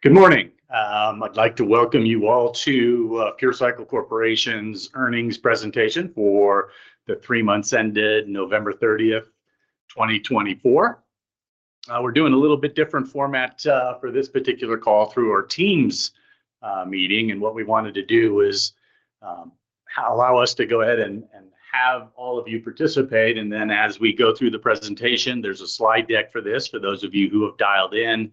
Good morning. I'd like to welcome you all to Pure Cycle Corporation's earnings presentation for the three months ended November 30, 2024. We're doing a little bit different format for this particular call through our Teams meeting, and what we wanted to do is allow us to go ahead and have all of you participate, and then, as we go through the presentation, there's a slide deck for this. For those of you who have dialed in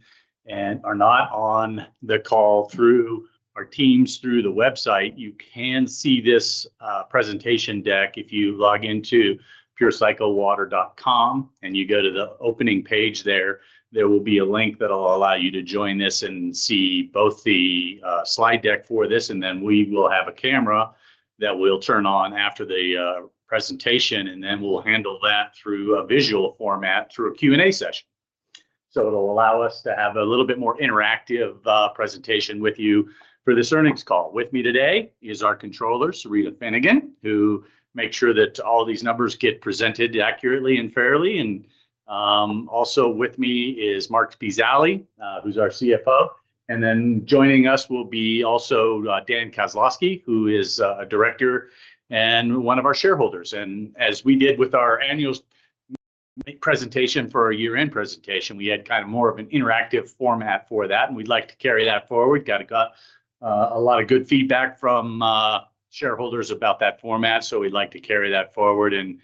and are not on the call through our Teams through the website, you can see this presentation deck if you log into purecyclewater.com and you go to the opening page there. There will be a link that will allow you to join this and see both the slide deck for this. And then we will have a camera that we'll turn on after the presentation, and then we'll handle that through a visual format through a Q&A session. So it'll allow us to have a little bit more interactive presentation with you for this earnings call. With me today is our controller, Sarita Finnegan, who makes sure that all these numbers get presented accurately and fairly. And also with me is Marc Spezialy, who's our CFO. And then joining us will be also Dan Kozlowski, who is a director and one of our shareholders. And as we did with our annual presentation for our year-end presentation, we had kind of more of an interactive format for that, and we'd like to carry that forward. Got a lot of good feedback from shareholders about that format, so we'd like to carry that forward and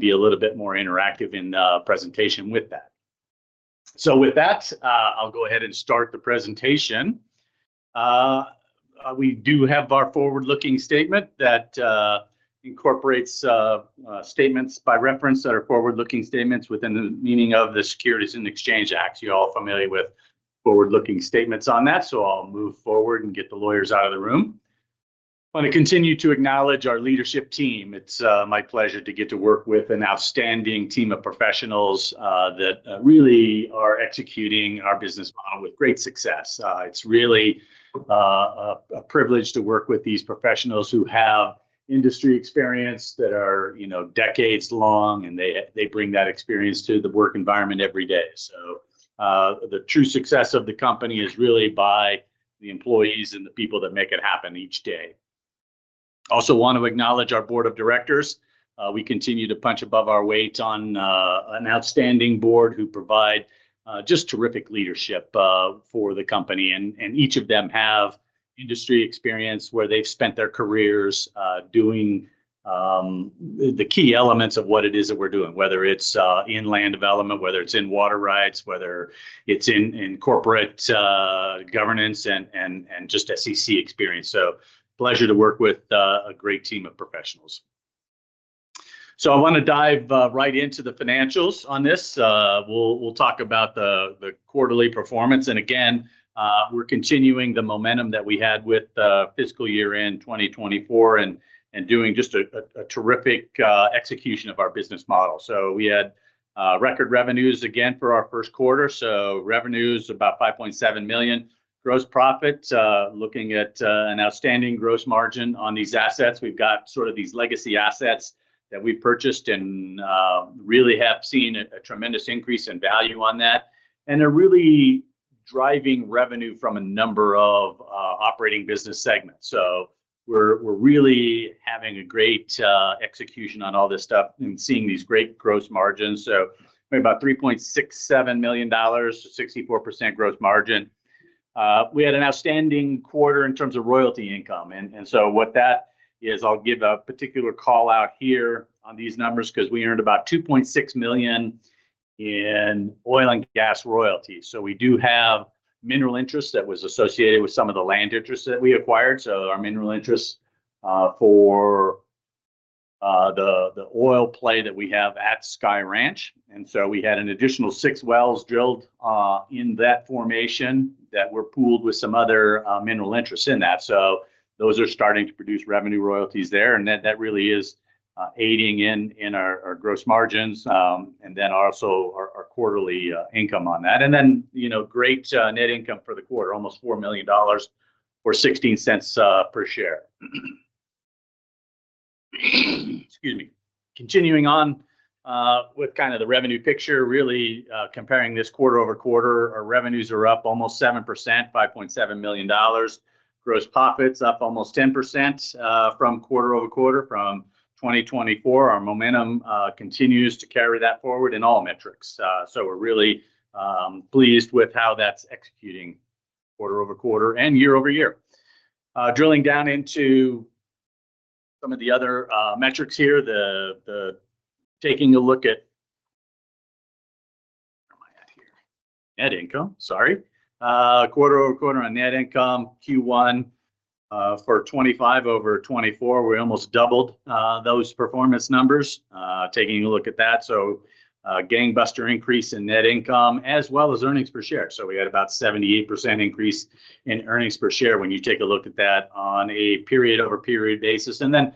be a little bit more interactive in the presentation with that. So with that, I'll go ahead and start the presentation. We do have our forward-looking statement that incorporates statements by reference that are forward-looking statements within the meaning of the Securities and Exchange Act. You're all familiar with forward-looking statements on that, so I'll move forward and get the lawyers out of the room. I want to continue to acknowledge our leadership team. It's my pleasure to get to work with an outstanding team of professionals that really are executing our business model with great success. It's really a privilege to work with these professionals who have industry experience that are decades long, and they bring that experience to the work environment every day. So the true success of the company is really by the employees and the people that make it happen each day. Also want to acknowledge our board of directors. We continue to punch above our weight on an outstanding board who provide just terrific leadership for the company. And each of them have industry experience where they've spent their careers doing the key elements of what it is that we're doing, whether it's in land development, whether it's in water rights, whether it's in corporate governance, and just SEC experience. So pleasure to work with a great team of professionals. So I want to dive right into the financials on this. We'll talk about the quarterly performance. And again, we're continuing the momentum that we had with fiscal year-end 2024 and doing just a terrific execution of our business model. So we had record revenues again for our first quarter. Revenues about $5.7 million. Gross profit, looking at an outstanding gross margin on these assets. We've got sort of these legacy assets that we've purchased and really have seen a tremendous increase in value on that, and they're really driving revenue from a number of operating business segments, so we're really having a great execution on all this stuff and seeing these great gross margins, so about $3.67 million, 64% gross margin. We had an outstanding quarter in terms of royalty income, and so what that is, I'll give a particular call out here on these numbers because we earned about $2.6 million in oil and gas royalties, so we do have mineral interests that were associated with some of the land interests that we acquired. Our mineral interests for the oil play that we have at Sky Ranch. And so we had an additional six wells drilled in that formation that were pooled with some other mineral interests in that. So those are starting to produce revenue royalties there. And that really is aiding in our gross margins and then also our quarterly income on that. And then great net income for the quarter, almost $4 million or $0.16 per share. Excuse me. Continuing on with kind of the revenue picture, really comparing this quarter-over-quarter, our revenues are up almost 7%, $5.7 million. Gross profits up almost 10% from quarter-over-quarter from 2024. Our momentum continues to carry that forward in all metrics. So we're really pleased with how that's executing quarter-over-quarter and year-over-year. Drilling down into some of the other metrics here, taking a look at net income, sorry. Quarter over quarter on net income, Q1 for 2025 over 2024, we almost doubled those performance numbers, taking a look at that, so gangbuster increase in net income as well as earnings per share. We had about 78% increase in earnings per share when you take a look at that on a period over period basis, and then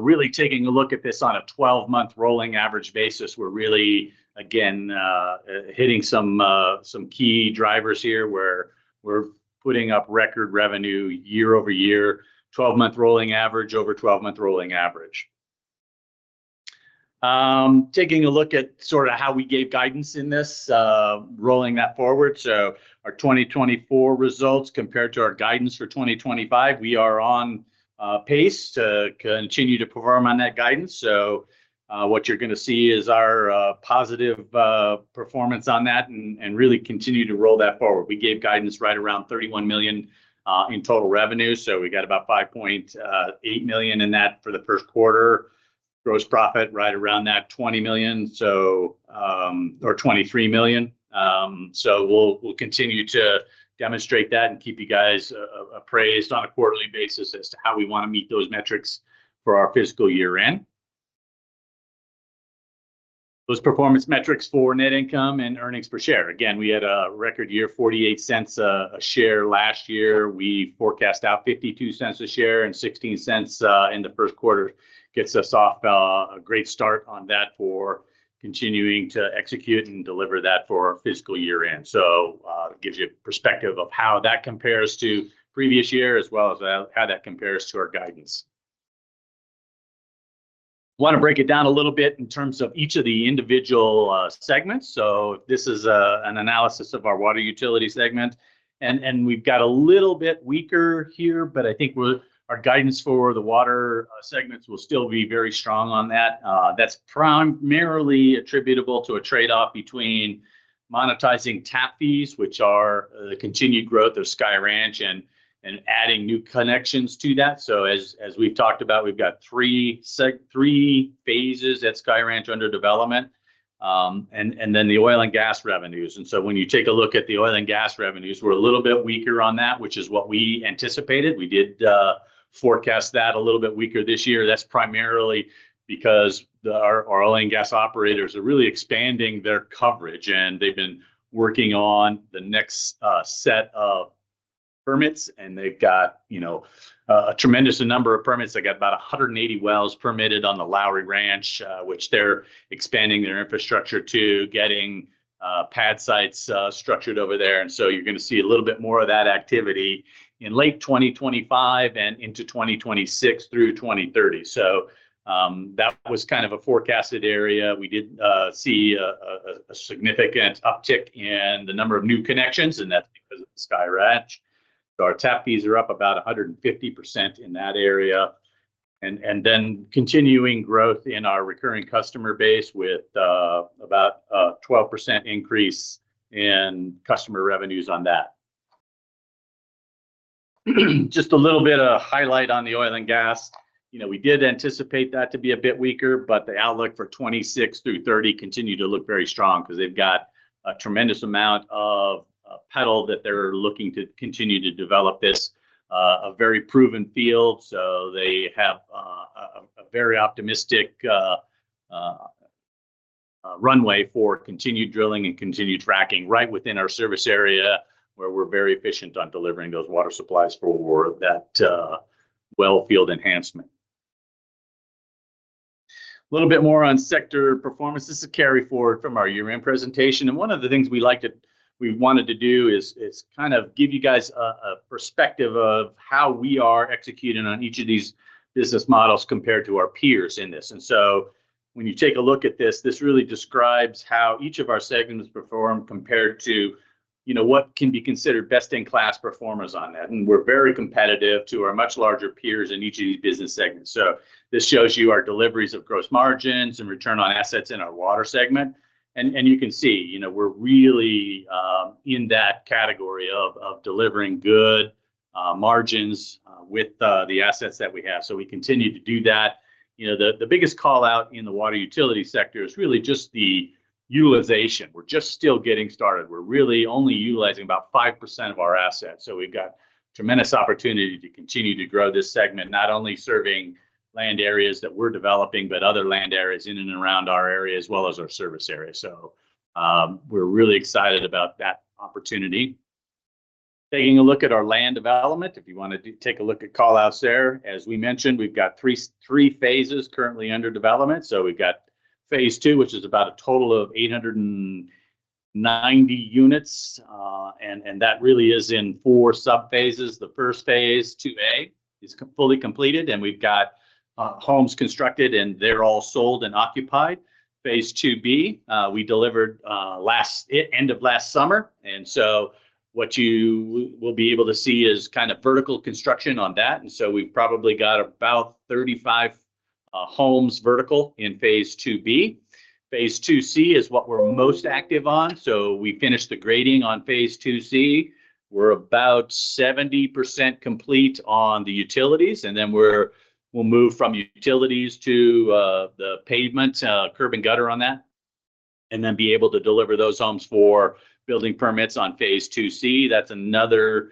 really taking a look at this on a 12-month rolling average basis, we're really, again, hitting some key drivers here where we're putting up record revenue year-over-year, 12-month rolling average over 12-month rolling average. Taking a look at sort of how we gave guidance in this, rolling that forward, so our 2024 results compared to our guidance for 2025, we are on pace to continue to perform on that guidance. What you're going to see is our positive performance on that and really continue to roll that forward. We gave guidance right around $31 million in total revenue. So we got about $5.8 million in that for the first quarter. Gross profit right around $20 million or $23 million. So we'll continue to demonstrate that and keep you guys appraised on a quarterly basis as to how we want to meet those metrics for our fiscal year-end. Those performance metrics for net income and earnings per share. Again, we had a record year, $0.48 per share last year. We forecast out $0.52 per share and $0.16 in the first quarter. Gets us off a great start on that for continuing to execute and deliver that for our fiscal year-end. So it gives you a perspective of how that compares to previous year as well as how that compares to our guidance. Want to break it down a little bit in terms of each of the individual segments. So this is an analysis of our water utility segment. And we've got a little bit weaker here, but I think our guidance for the water segments will still be very strong on that. That's primarily attributable to a trade-off between monetizing tap fees, which are the continued growth of Sky Ranch, and adding new connections to that. So as we've talked about, we've got three phases at Sky Ranch under development. And then the oil and gas revenues. And so when you take a look at the oil and gas revenues, we're a little bit weaker on that, which is what we anticipated. We did forecast that a little bit weaker this year. That's primarily because our oil and gas operators are really expanding their coverage, and they've been working on the next set of permits. And they've got a tremendous number of permits. They got about 180 wells permitted on the Lowry Ranch, which they're expanding their infrastructure to, getting pad sites structured over there. And so you're going to see a little bit more of that activity in late 2025 and into 2026 through 2030. So that was kind of a forecasted area. We did see a significant uptick in the number of new connections, and that's because of the Sky Ranch. So our tap fees are up about 150% in that area. And then continuing growth in our recurring customer base with about a 12% increase in customer revenues on that. Just a little bit of highlight on the oil and gas. We did anticipate that to be a bit weaker, but the outlook for 2026 through 2030 continued to look very strong because they've got a tremendous amount of pedal that they're looking to continue to develop this, a very proven field. So they have a very optimistic runway for continued drilling and continued fracking right within our service area where we're very efficient on delivering those water supplies for that well field enhancement. A little bit more on sector performance. This is Carry forward from our year-end presentation, and one of the things we wanted to do is kind of give you guys a perspective of how we are executing on each of these business models compared to our peers in this, and so when you take a look at this, this really describes how each of our segments perform compared to what can be considered best-in-class performers on that. We're very competitive to our much larger peers in each of these business segments. This shows you our deliveries of gross margins and return on assets in our water segment. You can see we're really in that category of delivering good margins with the assets that we have. We continue to do that. The biggest call out in the water utility sector is really just the utilization. We're just still getting started. We're really only utilizing about 5% of our assets. We've got tremendous opportunity to continue to grow this segment, not only serving land areas that we're developing, but other land areas in and around our area as well as our service area. We're really excited about that opportunity. Taking a look at our land development, if you want to take a look at callouts there, as we mentioned, we've got three phases currently under development. We've got phase two, which is about a total of 890 units. That really is in four sub-phases. The first phase, 2A, is fully completed, and we've got homes constructed, and they're all sold and occupied. Phase 2B, we delivered end of last summer. What you will be able to see is kind of vertical construction on that. We've probably got about 35 homes vertical in phase 2B. Phase 2C is what we're most active on. We finished the grading on phase 2C. We're about 70% complete on the utilities. And then we'll move from utilities to the pavement, curb and gutter on that, and then be able to deliver those homes for building permits on phase 2C. That's another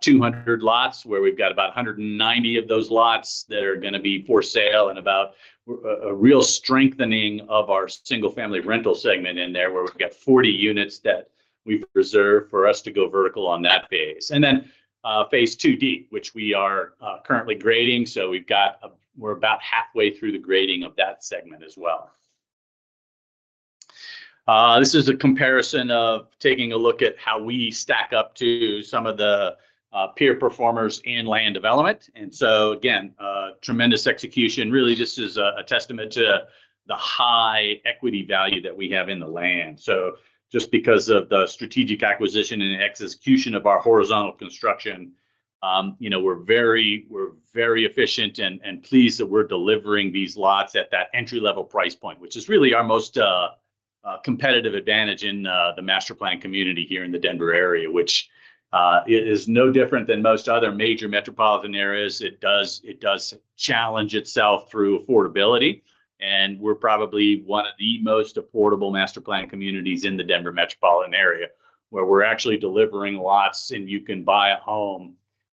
200 lots where we've got about 190 of those lots that are going to be for sale and about a real strengthening of our single-family rental segment in there where we've got 40 units that we've reserved for us to go vertical on that phase. And then phase 2D, which we are currently grading. So we're about halfway through the grading of that segment as well. This is a comparison of taking a look at how we stack up to some of the peer performers in land development. And so again, tremendous execution really just is a testament to the high equity value that we have in the land. So just because of the strategic acquisition and execution of our horizontal construction, we're very efficient and pleased that we're delivering these lots at that entry-level price point, which is really our most competitive advantage in the master plan community here in the Denver area, which is no different than most other major metropolitan areas. It does challenge itself through affordability. And we're probably one of the most affordable master plan communities in the Denver metropolitan area where we're actually delivering lots, and you can buy a home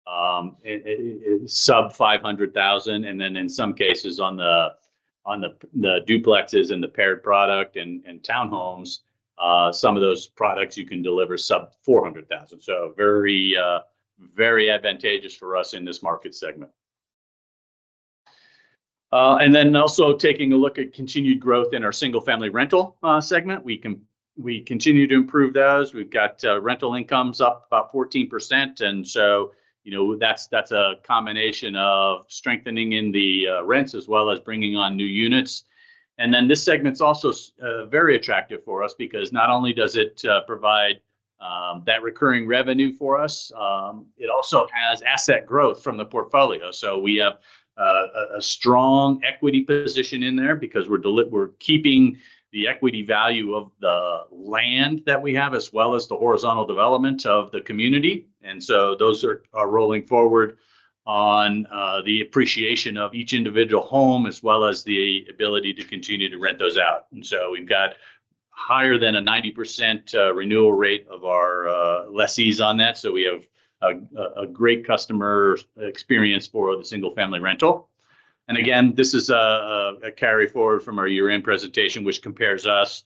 sub-$500,000. And then in some cases on the duplexes and the paired product and townhomes, some of those products you can deliver sub-$400,000. So very advantageous for us in this market segment. And then also taking a look at continued growth in our single-family rental segment, we continue to improve those. We've got rental incomes up about 14%. And so that's a combination of strengthening in the rents as well as bringing on new units. And then this segment's also very attractive for us because not only does it provide that recurring revenue for us, it also has asset growth from the portfolio. So we have a strong equity position in there because we're keeping the equity value of the land that we have as well as the horizontal development of the community. And so those are rolling forward on the appreciation of each individual home as well as the ability to continue to rent those out. And so we've got higher than a 90% renewal rate of our lessees on that. So we have a great customer experience for the single-family rental. Again, this is a carry forward from our year-end presentation, which compares us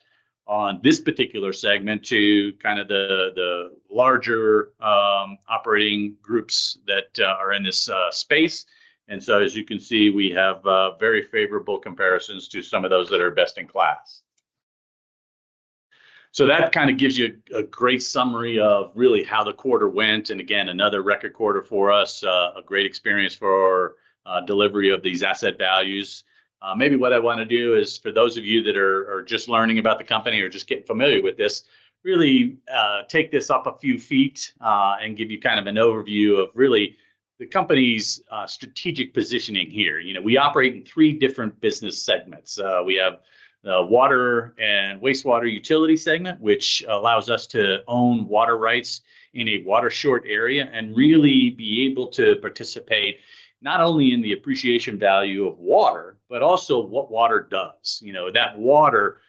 on this particular segment to kind of the larger operating groups that are in this space. And so as you can see, we have very favorable comparisons to some of those that are best in class. So that kind of gives you a great summary of really how the quarter went. And again, another record quarter for us, a great experience for our delivery of these asset values. Maybe what I want to do is for those of you that are just learning about the company or just getting familiar with this, really take this up a few feet and give you kind of an overview of really the company's strategic positioning here. We operate in three different business segments. We have the water and wastewater utility segment, which allows us to own water rights in a water short area and really be able to participate not only in the appreciation value of water, but also what water does. That water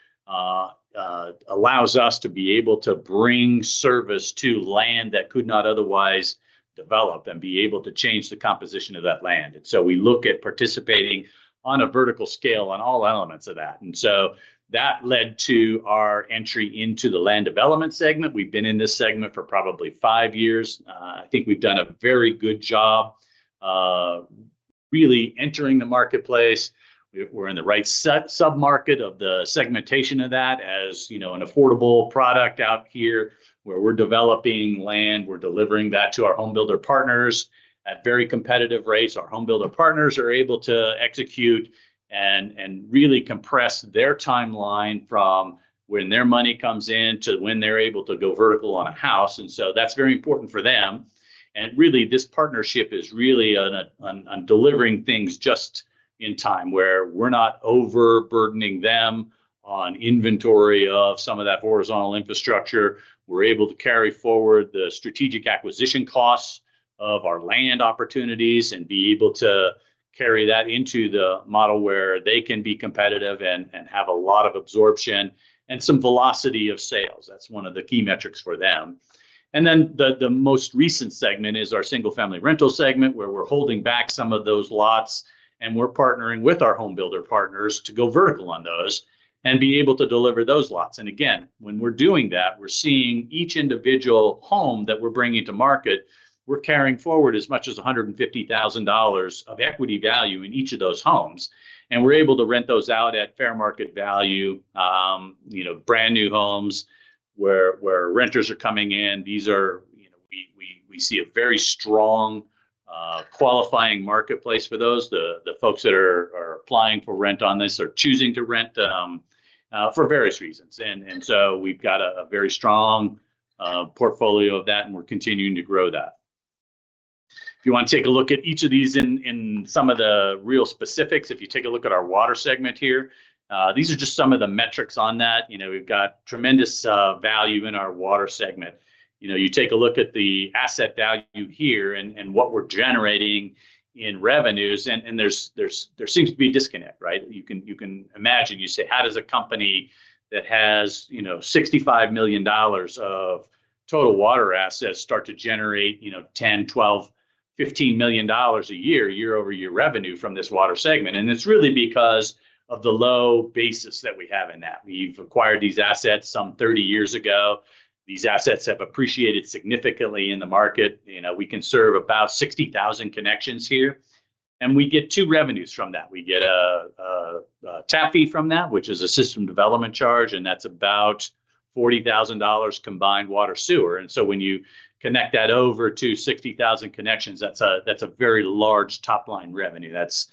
allows us to be able to bring service to land that could not otherwise develop and be able to change the composition of that land. And so we look at participating on a vertical scale on all elements of that. And so that led to our entry into the land development segment. We've been in this segment for probably five years. I think we've done a very good job really entering the marketplace. We're in the right sub-market of the segmentation of that as an affordable product out here where we're developing land. We're delivering that to our homebuilder partners at very competitive rates. Our homebuilder partners are able to execute and really compress their timeline from when their money comes in to when they're able to go vertical on a house. And so that's very important for them. And really, this partnership is really on delivering things just in time where we're not overburdening them on inventory of some of that horizontal infrastructure. We're able to carry forward the strategic acquisition costs of our land opportunities and be able to carry that into the model where they can be competitive and have a lot of absorption and some velocity of sales. That's one of the key metrics for them. And then the most recent segment is our single-family rental segment where we're holding back some of those lots, and we're partnering with our homebuilder partners to go vertical on those and be able to deliver those lots. Again, when we're doing that, we're seeing each individual home that we're bringing to market, we're carrying forward as much as $150,000 of equity value in each of those homes. We're able to rent those out at fair market value, brand new homes where renters are coming in. These are, we see, a very strong qualifying marketplace for those. The folks that are applying for rent on this are choosing to rent for various reasons, so we've got a very strong portfolio of that, and we're continuing to grow that. If you want to take a look at each of these in some of the real specifics, if you take a look at our water segment here, these are just some of the metrics on that. We've got tremendous value in our water segment. You take a look at the asset value here and what we're generating in revenues, and there seems to be a disconnect, right? You can imagine, you say, how does a company that has $65 million of total water assets start to generate 10, 12, $15 million a year, year-over-year revenue from this water segment? And it's really because of the low basis that we have in that. We've acquired these assets some 30 years ago. These assets have appreciated significantly in the market. We can serve about 60,000 connections here. And we get two revenues from that. We get a tat fee from that, which is a system development charge, and that's about $40,000 combined water-sewer. And so when you connect that over to 60,000 connections, that's a very large top-line revenue. That's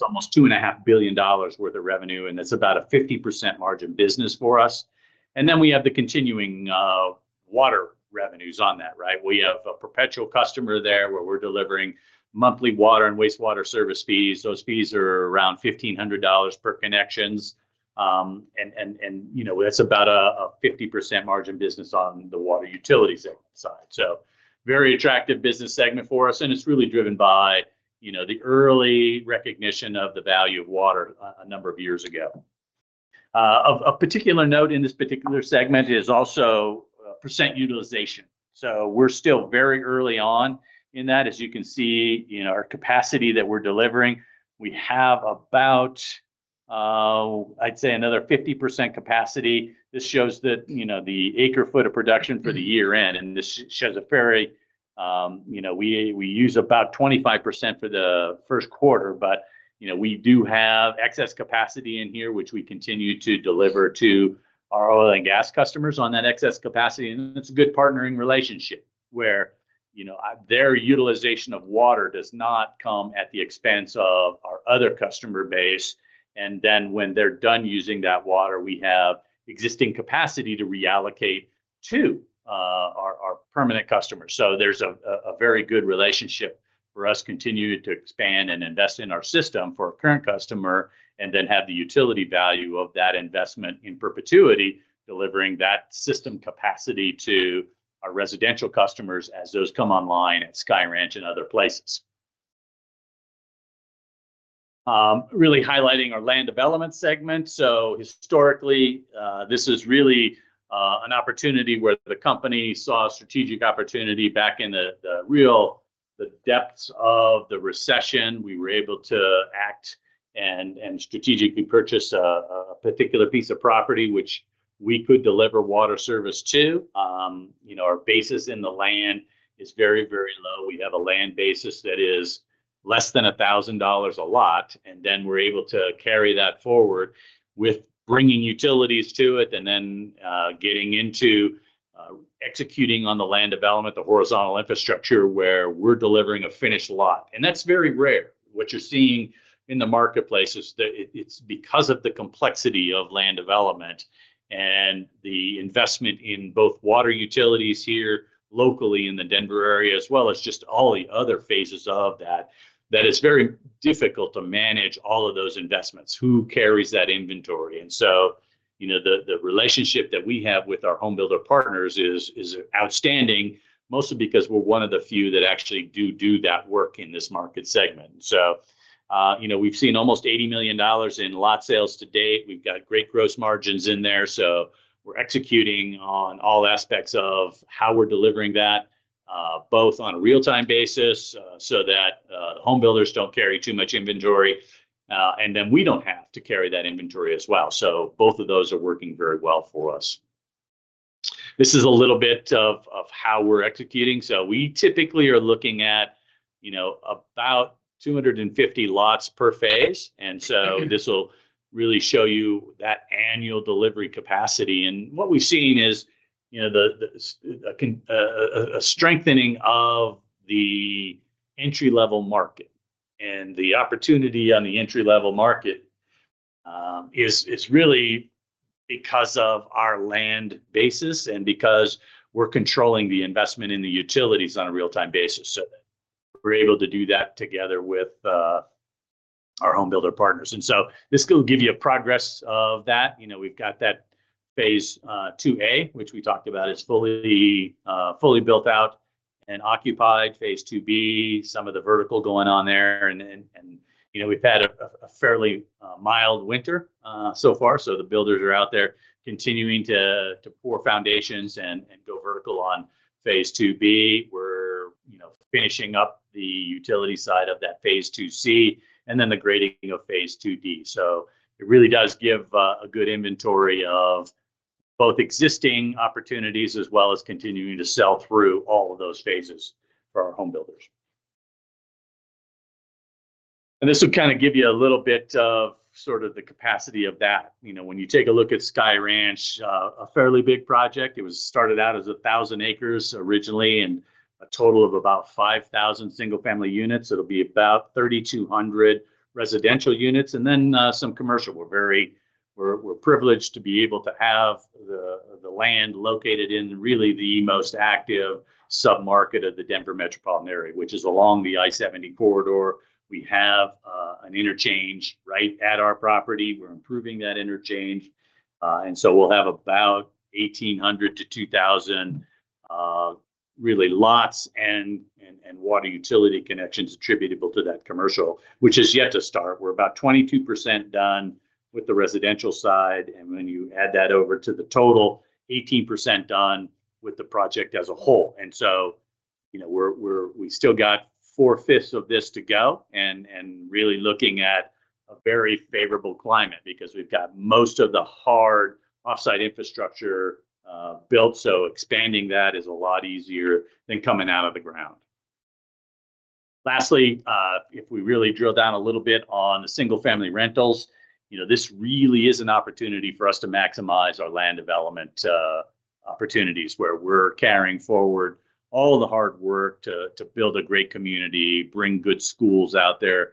almost $2.5 billion worth of revenue, and it's about a 50% margin business for us. And then we have the continuing water revenues on that, right? We have a perpetual customer there where we're delivering monthly water and wastewater service fees. Those fees are around $1,500 per connections. And that's about a 50% margin business on the water utility side. So very attractive business segment for us. And it's really driven by the early recognition of the value of water a number of years ago. A particular note in this particular segment is also % utilization. So we're still very early on in that. As you can see, our capacity that we're delivering, we have about, I'd say, another 50% capacity. This shows that the acre-foot of production for the year-end. This shows that we use about 25% for the first quarter, but we do have excess capacity in here, which we continue to deliver to our oil and gas customers on that excess capacity. It's a good partnering relationship where their utilization of water does not come at the expense of our other customer base. Then when they're done using that water, we have existing capacity to reallocate to our permanent customers. There's a very good relationship for us to continue to expand and invest in our system for our current customer and then have the utility value of that investment in perpetuity, delivering that system capacity to our residential customers as those come online at Sky Ranch and other places. This really highlights our land development segment. So historically, this is really an opportunity where the company saw a strategic opportunity back in the real depths of the recession. We were able to act and strategically purchase a particular piece of property which we could deliver water service to. Our basis in the land is very, very low. We have a land basis that is less than $1,000 a lot. And then we're able to carry that forward with bringing utilities to it and then getting into executing on the land development, the horizontal infrastructure where we're delivering a finished lot. And that's very rare. What you're seeing in the marketplace is that it's because of the complexity of land development and the investment in both water utilities here locally in the Denver area, as well as just all the other phases of that, that it's very difficult to manage all of those investments. Who carries that inventory? And so the relationship that we have with our homebuilder partners is outstanding, mostly because we're one of the few that actually do do that work in this market segment. So we've seen almost $80 million in lot sales to date. We've got great gross margins in there. So we're executing on all aspects of how we're delivering that, both on a real-time basis so that homebuilders don't carry too much inventory, and then we don't have to carry that inventory as well. So both of those are working very well for us. This is a little bit of how we're executing. So we typically are looking at about 250 lots per phase. And so this will really show you that annual delivery capacity. And what we've seen is a strengthening of the entry-level market. The opportunity on the entry-level market is really because of our land basis and because we're controlling the investment in the utilities on a real-time basis. So we're able to do that together with our homebuilder partners. And so this will give you a progress of that. We've got that phase 2A, which we talked about, is fully built out and occupied, phase 2B, some of the vertical going on there. And we've had a fairly mild winter so far. So the builders are out there continuing to pour foundations and go vertical on phase 2B. We're finishing up the utility side of that phase 2C and then the grading of phase 2D. So it really does give a good inventory of both existing opportunities as well as continuing to sell through all of those phases for our homebuilders. This will kind of give you a little bit of sort of the capacity of that. When you take a look at Sky Ranch, a fairly big project. It was started out as 1,000 acres originally and a total of about 5,000 single-family units. It'll be about 3,200 residential units and then some commercial. We're privileged to be able to have the land located in really the most active sub-market of the Denver metropolitan area, which is along the I-70 corridor. We have an interchange right at our property. We're improving that interchange. And so we'll have about 1,800-2,000 really lots and water utility connections attributable to that commercial, which is yet to start. We're about 22% done with the residential side. And when you add that over to the total, 18% done with the project as a whole. And so we've still got four-fifths of this to go and really looking at a very favorable climate because we've got most of the hard off-site infrastructure built. So expanding that is a lot easier than coming out of the ground. Lastly, if we really drill down a little bit on the single-family rentals, this really is an opportunity for us to maximize our land development opportunities where we're carrying forward all the hard work to build a great community, bring good schools out there.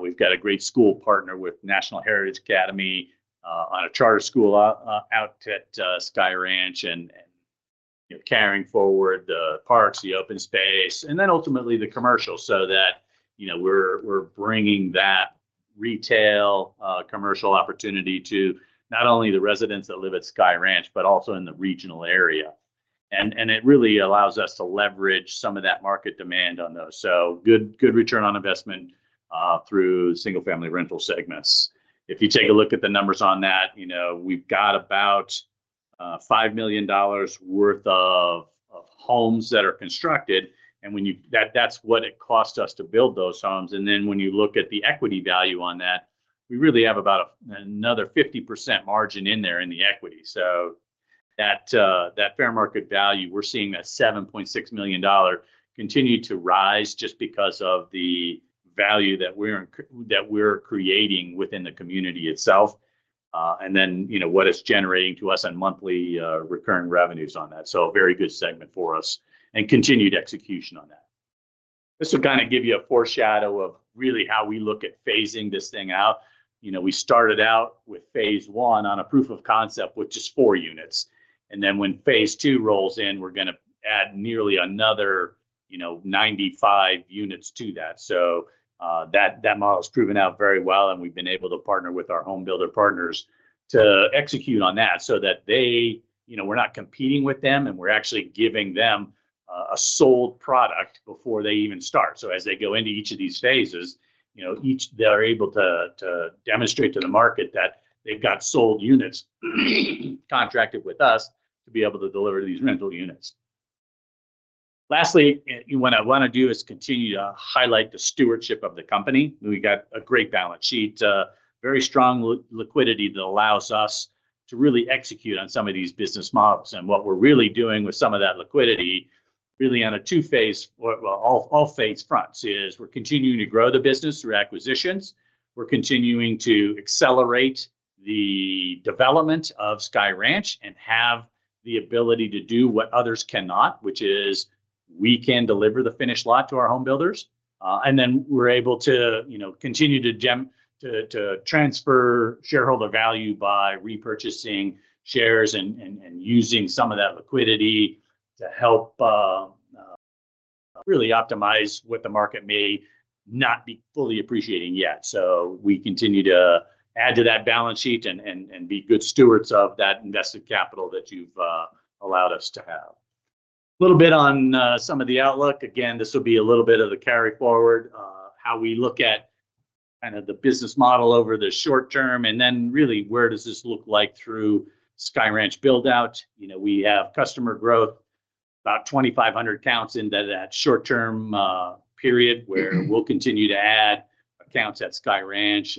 We've got a great school partner with National Heritage Academies on a charter school out at Sky Ranch and carrying forward the parks, the open space, and then ultimately the commercial so that we're bringing that retail commercial opportunity to not only the residents that live at Sky Ranch, but also in the regional area. It really allows us to leverage some of that market demand on those. So good return on investment through single-family rental segments. If you take a look at the numbers on that, we've got about $5 million worth of homes that are constructed. And that's what it cost us to build those homes. And then when you look at the equity value on that, we really have about another 50% margin in there in the equity. So that fair market value, we're seeing a $7.6 million continue to rise just because of the value that we're creating within the community itself and then what it's generating to us on monthly recurring revenues on that. So very good segment for us and continued execution on that. This will kind of give you a foreshadow of really how we look at phasing this thing out. We started out with phase one on a proof of concept, which is four units, and then when phase two rolls in, we're going to add nearly another 95 units to that, so that model has proven out very well, and we've been able to partner with our homebuilder partners to execute on that so that we're not competing with them, and we're actually giving them a sold product before they even start, so as they go into each of these phases, they're able to demonstrate to the market that they've got sold units contracted with us to be able to deliver these rental units. Lastly, what I want to do is continue to highlight the stewardship of the company. We've got a great balance sheet, very strong liquidity that allows us to really execute on some of these business models. And what we're really doing with some of that liquidity, really on a two-phase, well, all phase fronts, is we're continuing to grow the business through acquisitions. We're continuing to accelerate the development of Sky Ranch and have the ability to do what others cannot, which is we can deliver the finished lot to our homebuilders. And then we're able to continue to transfer shareholder value by repurchasing shares and using some of that liquidity to help really optimize what the market may not be fully appreciating yet. So we continue to add to that balance sheet and be good stewards of that invested capital that you've allowed us to have. A little bit on some of the outlook. Again, this will be a little bit of the carry forward, how we look at kind of the business model over the short term, and then really where does this look like through Sky Ranch build-out. We have customer growth, about 2,500 accounts into that short-term period where we'll continue to add accounts at Sky Ranch,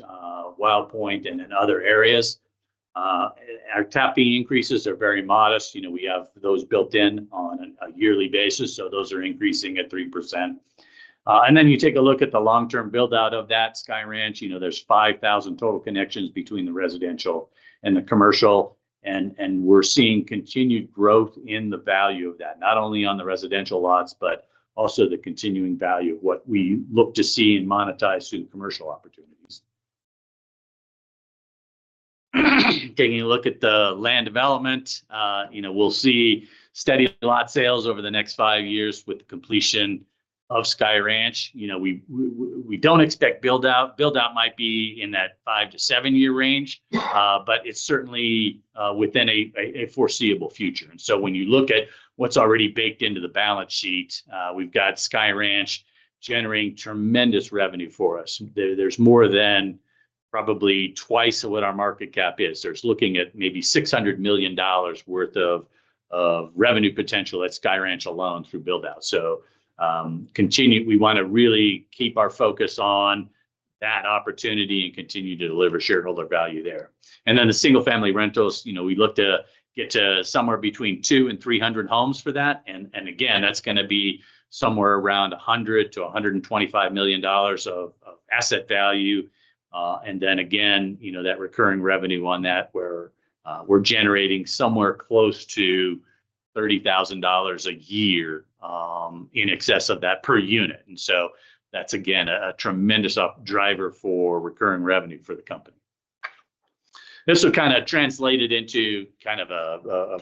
Wild Pointe, and in other areas. Our tap fee increases are very modest. We have those built in on a yearly basis, so those are increasing at 3%. And then you take a look at the long-term build-out of that Sky Ranch. There's 5,000 total connections between the residential and the commercial, and we're seeing continued growth in the value of that, not only on the residential lots, but also the continuing value of what we look to see and monetize through the commercial opportunities. Taking a look at the land development, we'll see steady lot sales over the next five years with the completion of Sky Ranch. We don't expect build-out. Build-out might be in that five- to seven-year range, but it's certainly within a foreseeable future. So when you look at what's already baked into the balance sheet, we've got Sky Ranch generating tremendous revenue for us. There's more than probably twice what our market cap is. They're looking at maybe $600 million worth of revenue potential at Sky Ranch alone through build-out. We want to really keep our focus on that opportunity and continue to deliver shareholder value there. Then the single-family rentals, we look to get to somewhere between two and 300 homes for that. Again, that's going to be somewhere around $100 million-$125 million of asset value. And then again, that recurring revenue on that where we're generating somewhere close to $30,000 a year in excess of that per unit. And so that's, again, a tremendous driver for recurring revenue for the company. This will kind of translate it into kind of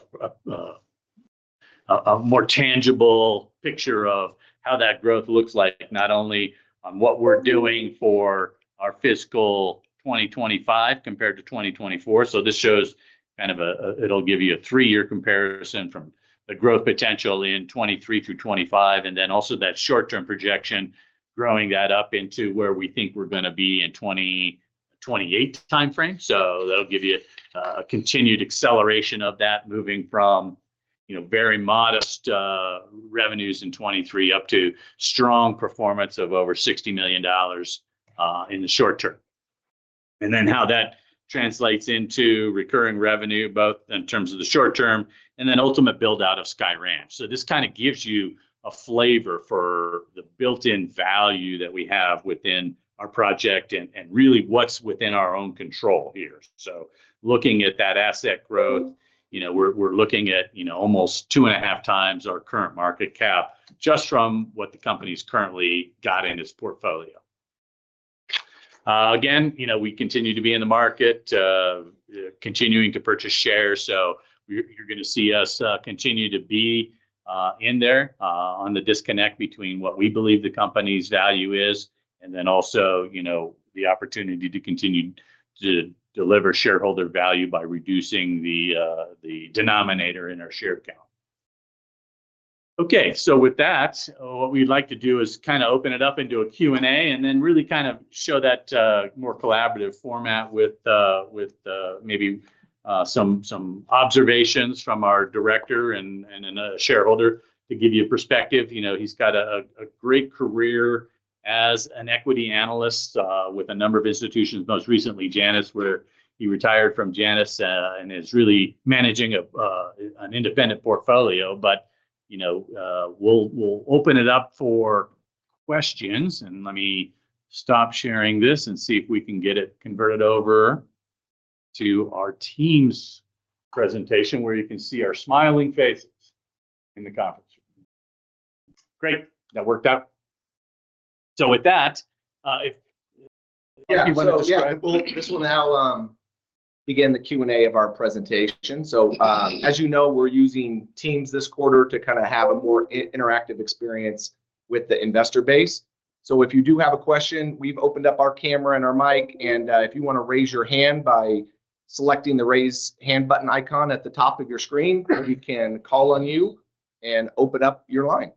a more tangible picture of how that growth looks like, not only on what we're doing for our fiscal 2025 compared to 2024. So this shows kind of it'll give you a three-year comparison from the growth potential in 2023 through 2025, and then also that short-term projection, growing that up into where we think we're going to be in 2028 timeframe. So that'll give you a continued acceleration of that, moving from very modest revenues in 2023 up to strong performance of over $60 million in the short term. And then how that translates into recurring revenue, both in terms of the short term and then ultimate build-out of Sky Ranch. So this kind of gives you a flavor for the built-in value that we have within our project and really what's within our own control here. So looking at that asset growth, we're looking at almost two and a half times our current market cap just from what the company's currently got in its portfolio. Again, we continue to be in the market, continuing to purchase shares. So you're going to see us continue to be in there on the disconnect between what we believe the company's value is and then also the opportunity to continue to deliver shareholder value by reducing the denominator in our share count. Okay. So with that, what we'd like to do is kind of open it up into a Q&A and then really kind of show that more collaborative format with maybe some observations from our director and a shareholder to give you perspective. He's got a great career as an equity analyst with a number of institutions, most recently Janus, where he retired from Janus and is really managing an independent portfolio. But we'll open it up for questions. And let me stop sharing this and see if we can get it converted over to our team's presentation where you can see our smiling faces in the conference room. Great. That worked out. So with that, if you want to describe this will now begin the Q&A of our presentation. So as you know, we're using Teams this quarter to kind of have a more interactive experience with the investor base. So if you do have a question, we've opened up our camera and our mic. And if you want to raise your hand by selecting the raise hand button icon at the top of your screen, we can call on you and open up your line.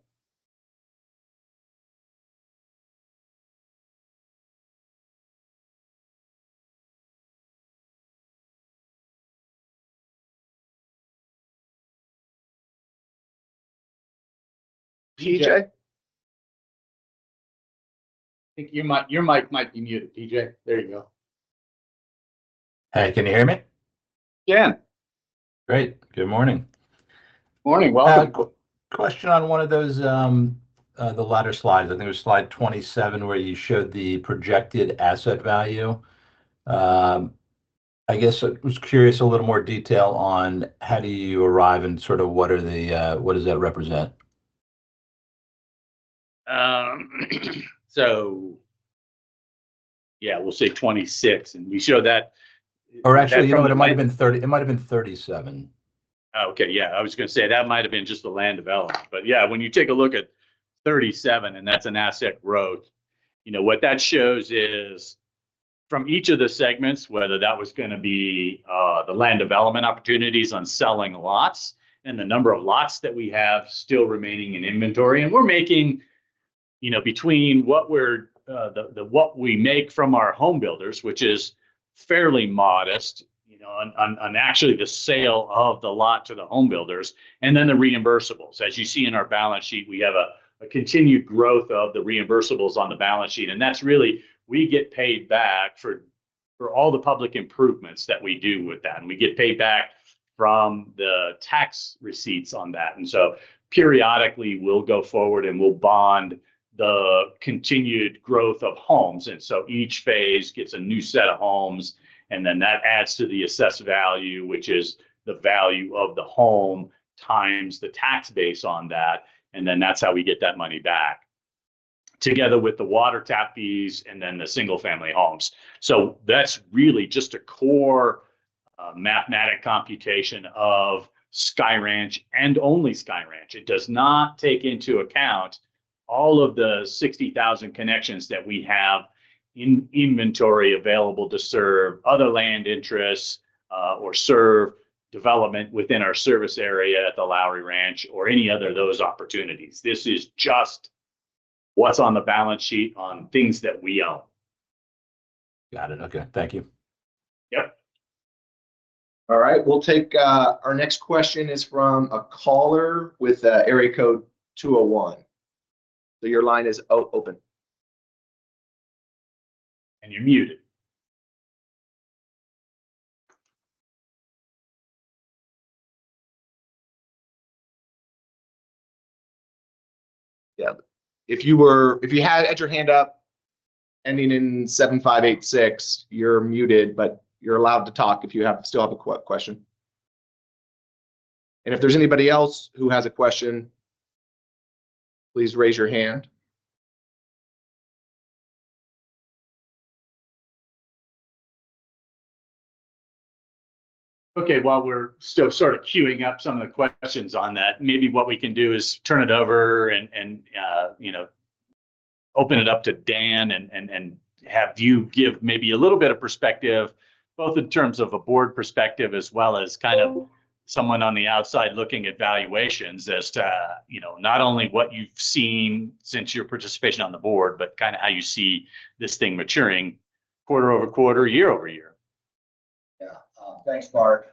DJ? Your mic might be muted, DJ. There you go. Hey, can you hear me? Yeah. Great. Good morning. Morning. Welcome. Question on one of those, the latter slides. I think it was slide 27 where you showed the projected asset value. I guess I was curious a little more detail on how do you arrive and sort of what does that represent? So yeah, we'll say 26. And we show that. Or actually, it might have been 37. Oh, okay. Yeah. I was going to say that might have been just the land development. But yeah, when you take a look at 37, and that's an asset growth. What that shows is from each of the segments, whether that was going to be the land development opportunities on selling lots and the number of lots that we have still remaining in inventory. And we're making between what we make from our homebuilders, which is fairly modest on actually the sale of the lot to the homebuilders, and then the reimbursables. As you see in our balance sheet, we have a continued growth of the reimbursables on the balance sheet. And that's really we get paid back for all the public improvements that we do with that. And we get paid back from the tax receipts on that. And so periodically, we'll go forward and we'll bond the continued growth of homes. Each phase gets a new set of homes, and then that adds to the assessed value, which is the value of the home times the tax base on that. And then that's how we get that money back together with the water tap fees and then the single-family homes. That's really just a core mathematical computation of Sky Ranch and only Sky Ranch. It does not take into account all of the 60,000 connections that we have in inventory available to serve other land interests or serve development within our service area at the Lowry Ranch or any other of those opportunities. This is just what's on the balance sheet on things that we own. Got it. Okay. Thank you. Yep. All right. We'll take our next question is from a caller with area code 201. So your line is open. And you're muted. Yeah. If you had your hand up ending in 7586, you're muted, but you're allowed to talk if you still have a question. And if there's anybody else who has a question, please raise your hand. Okay. While we're still sort of queuing up some of the questions on that, maybe what we can do is turn it over and open it up to Dan and have you give maybe a little bit of perspective, both in terms of a board perspective as well as kind of someone on the outside looking at valuations as to not only what you've seen since your participation on the board, but kind of how you see this thing maturing quarter-over-quarter, year-over-year. Yeah. Thanks, Mark.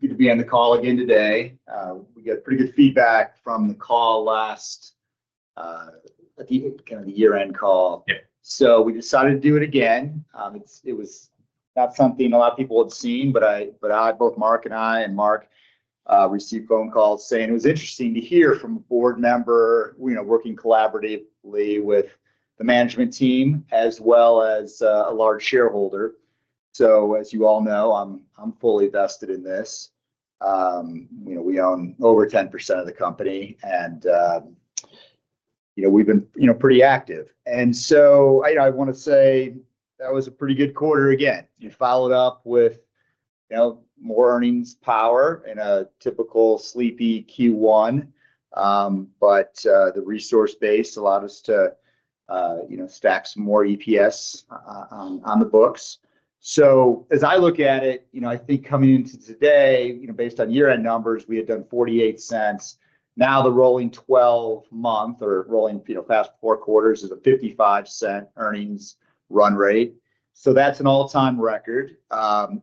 Good to be on the call again today. We got pretty good feedback from the call last, kind of the year-end call. So we decided to do it again. It was not something a lot of people had seen, but both Mark and I and Mark received phone calls saying it was interesting to hear from a board member working collaboratively with the management team as well as a large shareholder. So as you all know, I'm fully vested in this. We own over 10% of the company, and we've been pretty active. And so I want to say that was a pretty good quarter again. It followed up with more earnings power in a typical sleepy Q1, but the resource base allowed us to stack some more EPS on the books. So as I look at it, I think coming into today, based on year-end numbers, we had done $0.48. Now the rolling 12-month or rolling past four quarters is a $0.55 earnings run rate. That's an all-time record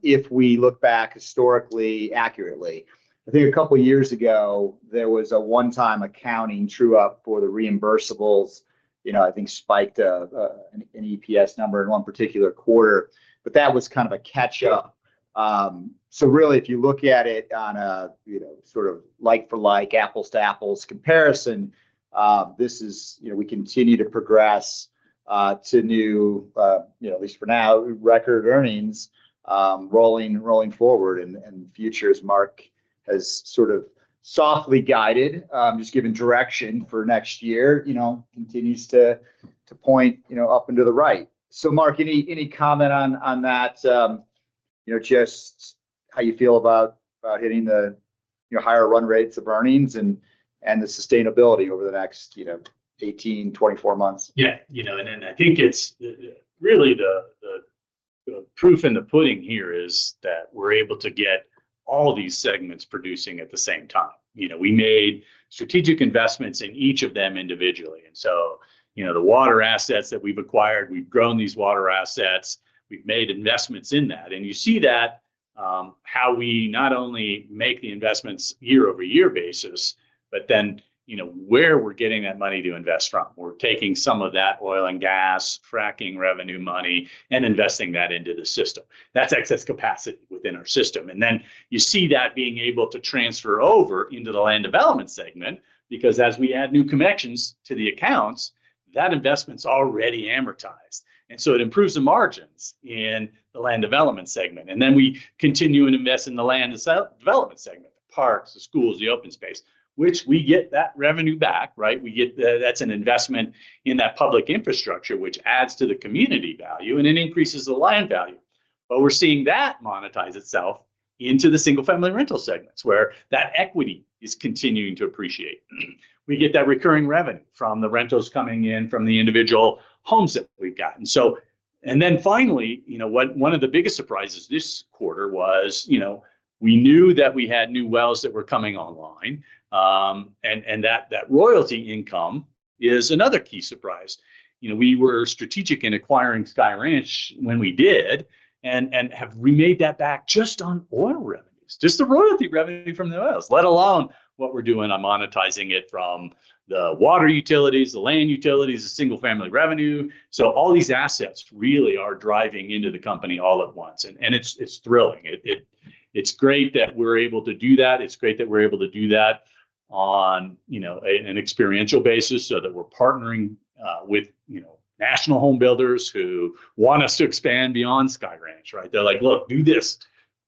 if we look back historically accurately. I think a couple of years ago, there was a one-time accounting true-up for the reimbursables. I think spiked an EPS number in one particular quarter, but that was kind of a catch-up. Really, if you look at it on a sort of like-for-like, apples-to-apples comparison, this is we continue to progress to new, at least for now, record earnings rolling forward. And futures, Mark has sort of softly guided, just given direction for next year, continues to point up and to the right. So Mark, any comment on that, just how you feel about hitting the higher run rates of earnings and the sustainability over the next 18, 24 months? Yeah. And I think it's really the proof in the pudding here is that we're able to get all these segments producing at the same time. We made strategic investments in each of them individually. And so the water assets that we've acquired, we've grown these water assets. We've made investments in that. And you see that how we not only make the investments year-over-year basis, but then where we're getting that money to invest from. We're taking some of that oil and gas, fracking revenue money, and investing that into the system. That's excess capacity within our system. And then you see that being able to transfer over into the land development segment because as we add new connections to the accounts, that investment's already amortized. And so it improves the margins in the land development segment. And then we continue and invest in the land development segment, the parks, the schools, the open space, which we get that revenue back, right? That's an investment in that public infrastructure, which adds to the community value, and it increases the land value, but we're seeing that monetize itself into the single-family rental segments where that equity is continuing to appreciate. We get that recurring revenue from the rentals coming in from the individual homes that we've gotten, and then finally, one of the biggest surprises this quarter was we knew that we had new wells that were coming online, and that royalty income is another key surprise. We were strategic in acquiring Sky Ranch when we did and have made that back just on oil revenues, just the royalty revenue from the oils, let alone what we're doing on monetizing it from the water utilities, the land utilities, the single-family revenue. So all these assets really are driving into the company all at once, and it's thrilling. It's great that we're able to do that. It's great that we're able to do that on an experiential basis so that we're partnering with national homebuilders who want us to expand beyond Sky Ranch, right? They're like, "Look, do this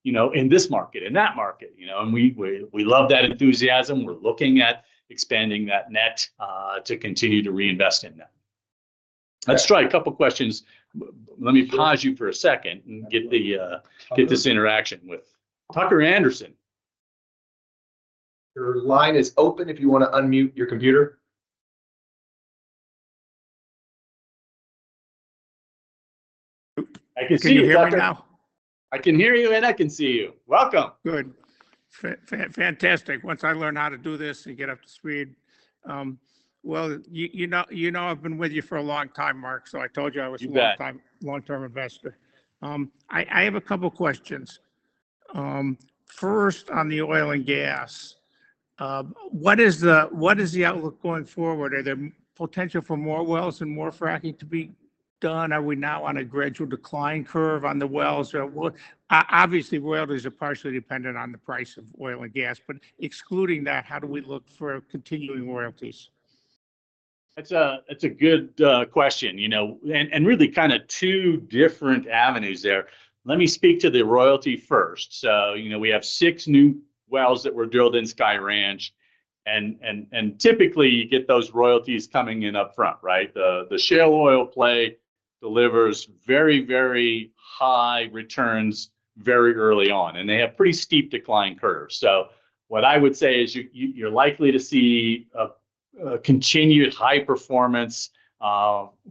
in this market, in that market," and we love that enthusiasm. We're looking at expanding that net to continue to reinvest in that. Let's try a couple of questions. Let me pause you for a second and get this interaction with Tucker Andersen. Your line is open if you want to unmute your computer. I can see you here right now. I can hear you and I can see you. Welcome. Good. Fantastic. Once I learn how to do this and get up to speed, well, you know I've been with you for a long time, Mark, so I told you I was a long-term investor. I have a couple of questions. First, on the oil and gas, what is the outlook going forward? Are there potential for more wells and more fracking to be done? Are we now on a gradual decline curve on the wells? Obviously, royalties are partially dependent on the price of oil and gas, but excluding that, how do we look for continuing royalties? That's a good question. And really kind of two different avenues there. Let me speak to the royalty first. So we have six new wells that were drilled in Sky Ranch. And typically, you get those royalties coming in upfront, right? The shale oil play delivers very, very high returns very early on. And they have pretty steep decline curves. So what I would say is you're likely to see a continued high performance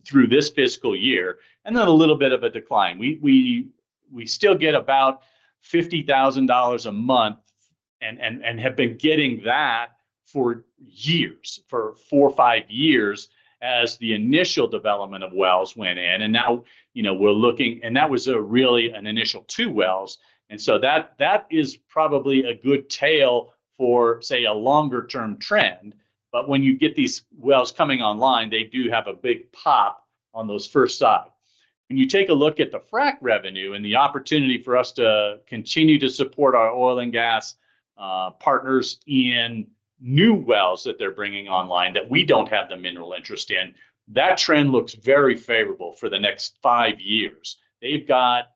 through this fiscal year and then a little bit of a decline. We still get about $50,000 a month and have been getting that for years, for four or five years as the initial development of wells went in, and now we're looking and that was really an initial two wells, and so that is probably a good tail for, say, a longer-term trend, but when you get these wells coming online, they do have a big pop on those first year. When you take a look at the frack revenue and the opportunity for us to continue to support our oil and gas partners in new wells that they're bringing online that we don't have the mineral interest in, that trend looks very favorable for the next five years. They've got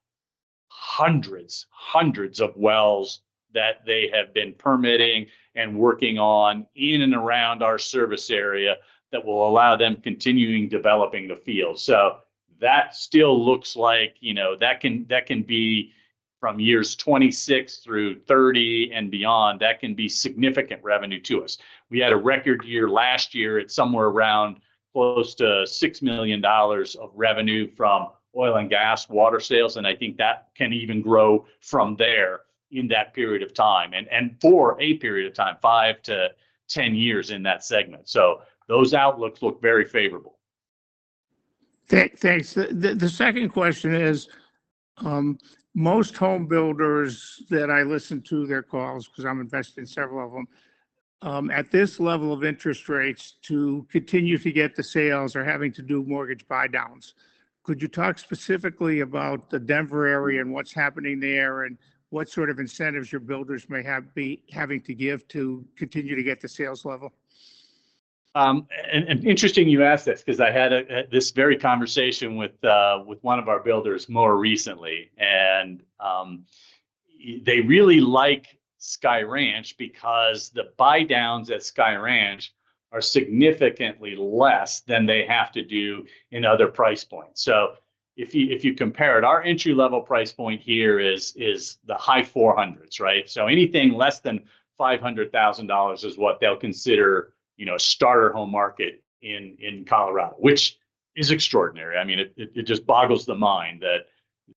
hundreds, hundreds of wells that they have been permitting and working on in and around our service area that will allow them continuing developing the field. So that still looks like that can be from years 26 through 30 and beyond, that can be significant revenue to us. We had a record year last year. It's somewhere around close to $6 million of revenue from oil and gas, water sales. And I think that can even grow from there in that period of time and for a period of time, five to 10 years in that segment. So those outlooks look very favorable. Thanks. The second question is, most homebuilders that I listen to their calls because I'm invested in several of them, at this level of interest rates to continue to get the sales or having to do mortgage buy-downs, could you talk specifically about the Denver area and what's happening there and what sort of incentives your builders may be having to give to continue to get the sales level? Interesting you ask this because I had this very conversation with one of our builders more recently. And they really like Sky Ranch because the buy-downs at Sky Ranch are significantly less than they have to do in other price points. So if you compare it, our entry-level price point here is the high 400s, right? So anything less than $500,000 is what they'll consider a starter home market in Colorado, which is extraordinary. I mean, it just boggles the mind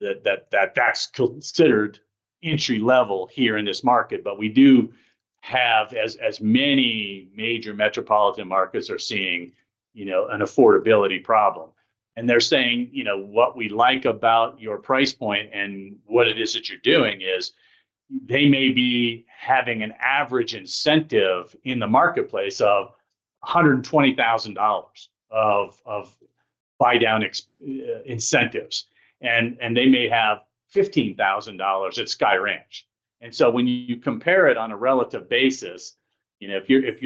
that that's considered entry-level here in this market. But we do have, as many major metropolitan markets are seeing, an affordability problem. And they're saying what we like about your price point and what it is that you're doing is they may be having an average incentive in the marketplace of $120,000 of buy-down incentives. And they may have $15,000 at Sky Ranch. And so when you compare it on a relative basis, if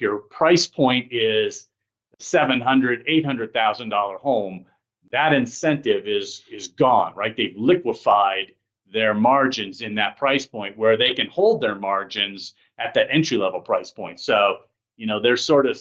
your price point is a $700,000, $800,000 home, that incentive is gone, right? They've liquefied their margins in that price point where they can hold their margins at that entry-level price point. So they're sort of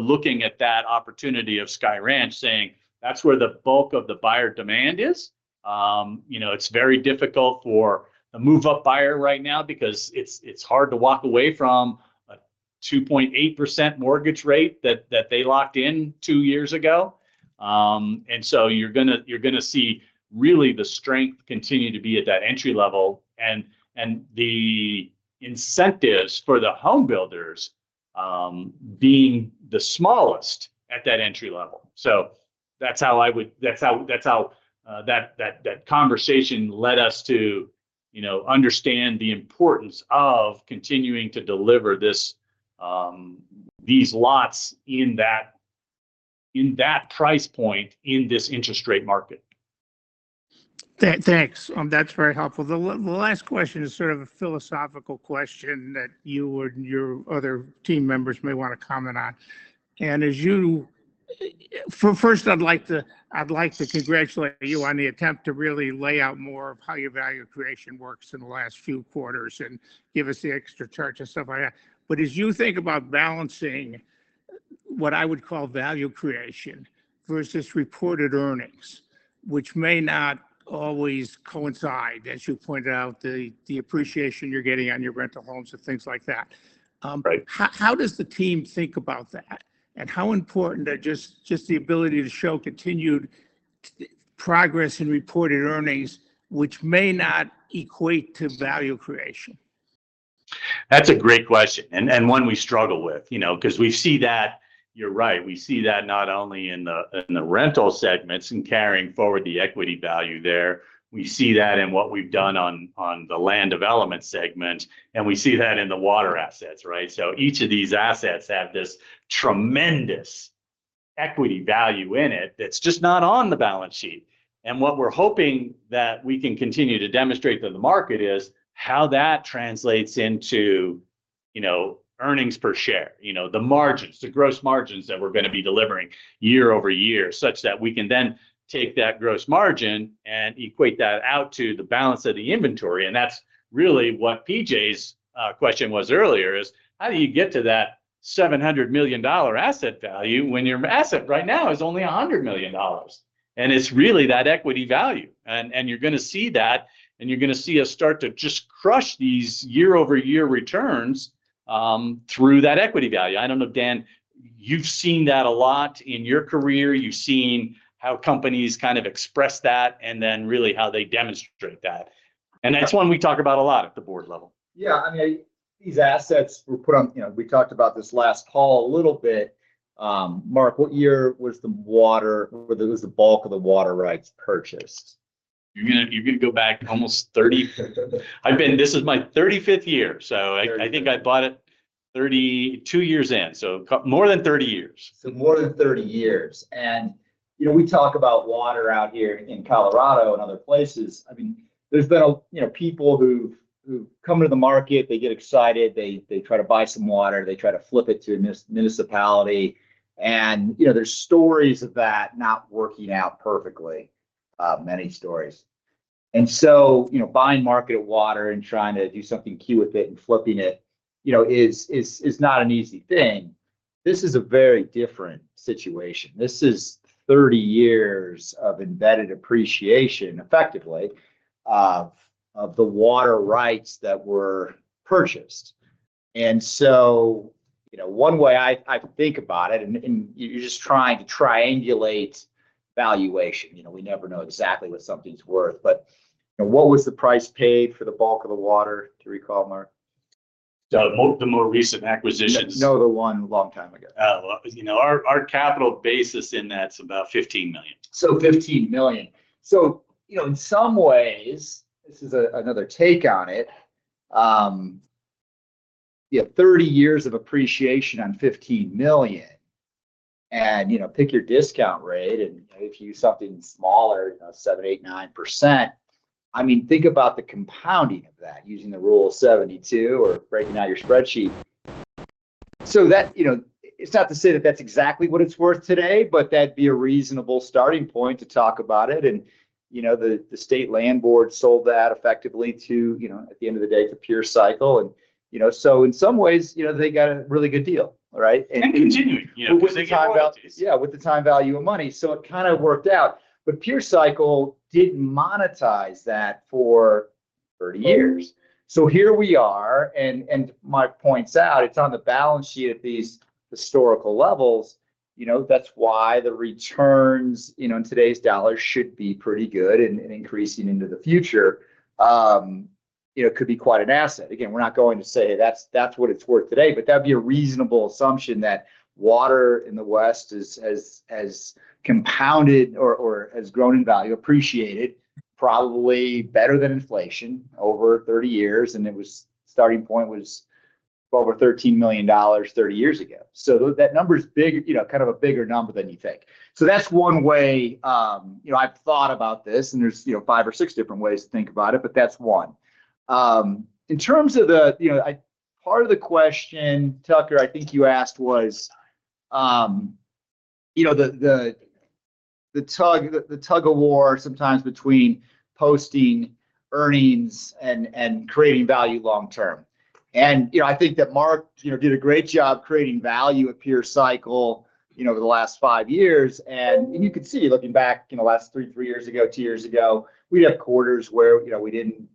looking at that opportunity of Sky Ranch saying, "That's where the bulk of the buyer demand is." It's very difficult for the move-up buyer right now because it's hard to walk away from a 2.8% mortgage rate that they locked in two years ago. And so you're going to see really the strength continue to be at that entry level and the incentives for the homebuilders being the smallest at that entry level. So that's how that conversation led us to understand the importance of continuing to deliver these lots in that price point in this interest rate market. Thanks. That's very helpful. The last question is sort of a philosophical question that you and your other team members may want to comment on, and first, I'd like to congratulate you on the attempt to really lay out more of how your value creation works in the last few quarters and give us the extra charts and stuff like that, but as you think about balancing what I would call value creation versus reported earnings, which may not always coincide, as you pointed out, the appreciation you're getting on your rental homes and things like that. How does the team think about that, and how important is just the ability to show continued progress in reported earnings, which may not equate to value creation? That's a great question and one we struggle with because we see that, you're right, we see that not only in the rental segments and carrying forward the equity value there. We see that in what we've done on the land development segment, and we see that in the water assets, right? So each of these assets have this tremendous equity value in it that's just not on the balance sheet. And what we're hoping that we can continue to demonstrate to the market is how that translates into earnings per share, the margins, the gross margins that we're going to be delivering year-over-year such that we can then take that gross margin and equate that out to the balance of the inventory. And that's really what PJ's question was earlier is, how do you get to that $700 million asset value when your asset right now is only $100 million? And it's really that equity value. And you're going to see that, and you're going to see us start to just crush these year-over-year returns through that equity value. I don't know, Dan, you've seen that a lot in your career. You've seen how companies kind of express that and then really how they demonstrate that. And that's one we talk about a lot at the board level. Yeah. I mean, these assets were put on we talked about this last call a little bit. Mark, what year was the water was the bulk of the water rights purchased? You're going to go back almost 30. This is my 35th year. So I think I bought it two years in, so more than 30 years. So more than 30 years. And we talk about water out here in Colorado and other places. I mean, there's been people who've come to the market. They get excited. They try to buy some water. They try to flip it to a municipality. And there's stories of that not working out perfectly, many stories. And so buying marketed water and trying to do something cute with it and flipping it is not an easy thing. This is a very different situation. This is 30 years of embedded appreciation, effectively, of the water rights that were purchased. And so one way I think about it, and you're just trying to triangulate valuation. We never know exactly what something's worth. But what was the price paid for the bulk of the water? Do you recall, Mark? The more recent acquisitions. I know the one a long time ago. Our capital basis in that is about $15 million. So $15 million. So in some ways, this is another take on it. You have 30 years of appreciation on $15 million. And pick your discount rate. And if you use something smaller, 7%, 8%, 9%, I mean, think about the compounding of that using the rule of 72 or breaking out your spreadsheet. So it's not to say that that's exactly what it's worth today, but that'd be a reasonable starting point to talk about it. And the State Land Board sold that effectively to, at the end of the day, to Pure Cycle. And so in some ways, they got a really good deal, right? And continuing. Yeah, with the time value of money. So it kind of worked out. But Pure Cycle didn't monetize that for 30 years. So here we are. And Mark points out, it's on the balance sheet at these historical levels. That's why the returns in today's dollars should be pretty good and increasing into the future could be quite an asset. Again, we're not going to say that's what it's worth today, but that'd be a reasonable assumption that water in the West has compounded or has grown in value, appreciated probably better than inflation over 30 years. And its starting point was over $13 million 30 years ago. So that number's kind of a bigger number than you think. So that's one way I've thought about this. And there's five or six different ways to think about it, but that's one. In terms of the part of the question, Tucker, I think you asked was the tug-of-war sometimes between posting earnings and creating value long-term. And I think that Mark did a great job creating value at Pure Cycle over the last five years. And you could see looking back last three years ago, two years ago, we'd have quarters where we didn't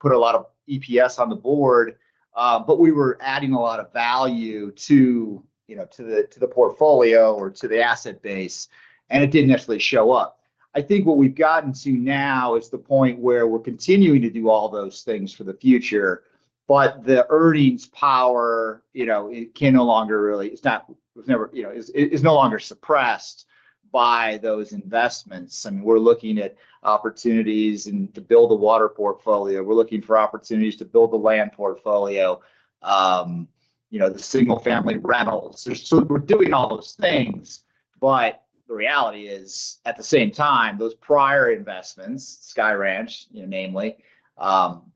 put a lot of EPS on the board, but we were adding a lot of value to the portfolio or to the asset base, and it didn't necessarily show up. I think what we've gotten to now is the point where we're continuing to do all those things for the future, but the earnings power, it can no longer it's no longer suppressed by those investments. I mean, we're looking at opportunities to build a water portfolio. We're looking for opportunities to build the land portfolio, the single-family rentals. So we're doing all those things. But the reality is, at the same time, those prior investments, Sky Ranch, namely,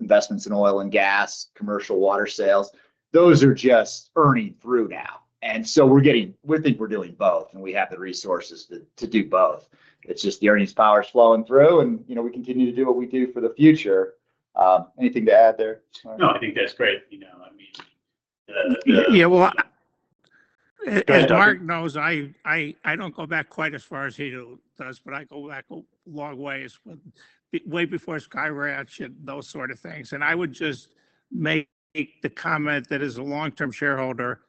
investments in oil and gas, commercial water sales, those are just earning through now. And so we think we're doing both, and we have the resources to do both. It's just the earnings power is flowing through, and we continue to do what we do for the future. Anything to add there? No, I think that's great. I mean. Yeah. Well, as Mark knows, I don't go back quite as far as he does, but I go back a long way before Sky Ranch and those sort of things. I would just make the comment that as a long-term shareholder,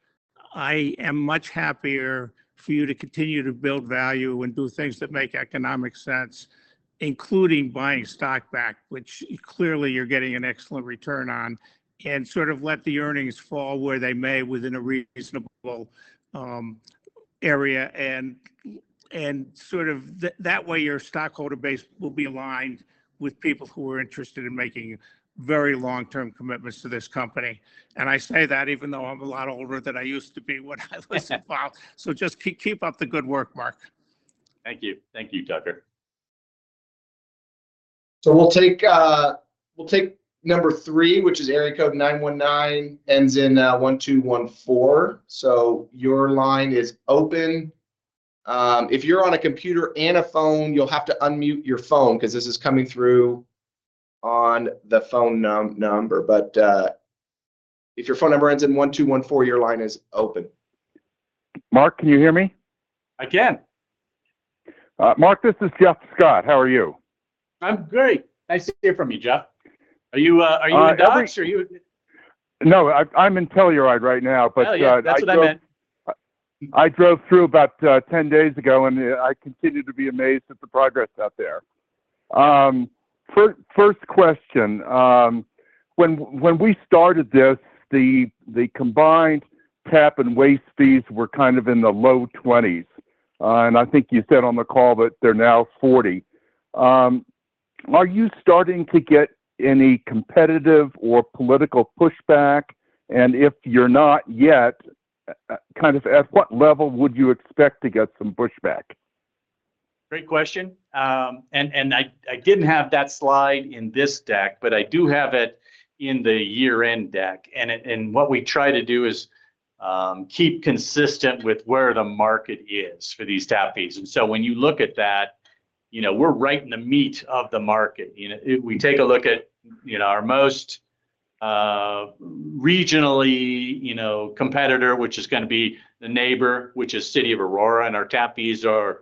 I am much happier for you to continue to build value and do things that make economic sense, including buying stock back, which clearly you're getting an excellent return on, and sort of let the earnings fall where they may within a reasonable area. Sort of that way, your stockholder base will be aligned with people who are interested in making very long-term commitments to this company. I say that even though I'm a lot older than I used to be when I was involved. Just keep up the good work, Mark. Thank you. Thank you, Tucker. We'll take number three, which is area code 919, ends in 1214. Your line is open. If you're on a computer and a phone, you'll have to unmute your phone because this is coming through on the phone number. But if your phone number ends in 1214, your line is open. Mark, can you hear me? I can. Mark, this is Jeff Scott. How are you? I'm great. Nice to hear from you, Jeff. Are you in Dallas? No, I'm in Telluride right now, but. That's what I meant. I drove through about 10 days ago, and I continue to be amazed at the progress out there. First question. When we started this, the combined tap and waste fees were kind of in the low 20s. And I think you said on the call that they're now 40. Are you starting to get any competitive or political pushback? And if you're not yet, kind of at what level would you expect to get some pushback? Great question. And I didn't have that slide in this deck, but I do have it in the year-end deck. And what we try to do is keep consistent with where the market is for these tap fees. And so when you look at that, we're right in the meat of the market. We take a look at our most regional competitor, which is going to be the neighbor, which is City of Aurora. And our tap fees are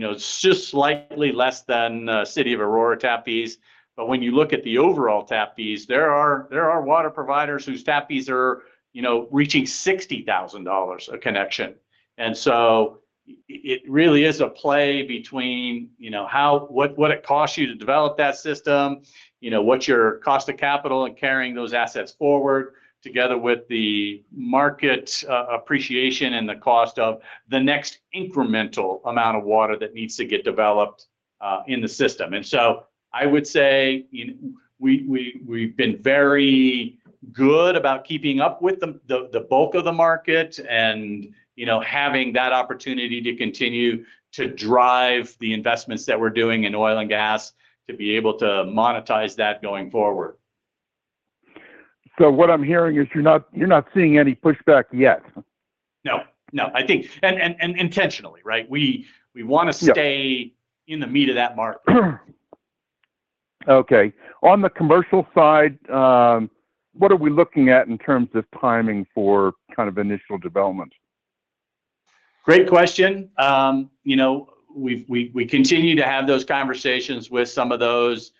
just slightly less than City of Aurora tap fees. But when you look at the overall tap fees, there are water providers whose tap fees are reaching $60,000 a connection. And so it really is a play between what it costs you to develop that system, what's your cost of capital in carrying those assets forward, together with the market appreciation and the cost of the next incremental amount of water that needs to get developed in the system. And so I would say we've been very good about keeping up with the bulk of the market and having that opportunity to continue to drive the investments that we're doing in oil and gas to be able to monetize that going forward. So what I'm hearing is you're not seeing any pushback yet. No, no. And intentionally, right? We want to stay in the meat of that market. Okay. On the commercial side, what are we looking at in terms of timing for kind of initial development? Great question. We continue to have those conversations with some of those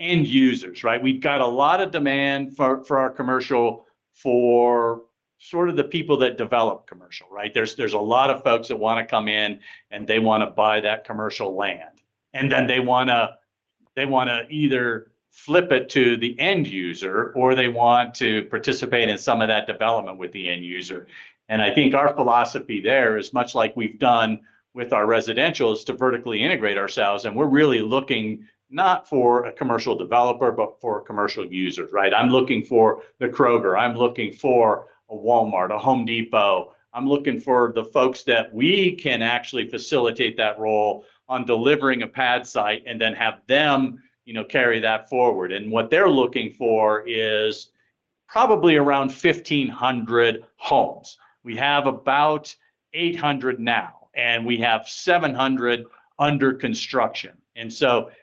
end users, right? We've got a lot of demand for our commercial for sort of the people that develop commercial, right? There's a lot of folks that want to come in, and they want to buy that commercial land. And then they want to either flip it to the end user, or they want to participate in some of that development with the end user. And I think our philosophy there is much like we've done with our residential is to vertically integrate ourselves. And we're really looking not for a commercial developer, but for commercial users, right? I'm looking for the Kroger. I'm looking for a Walmart, a Home Depot. I'm looking for the folks that we can actually facilitate that role on delivering a pad site and then have them carry that forward. What they're looking for is probably around 1,500 homes. We have about 800 now, and we have 700 under construction.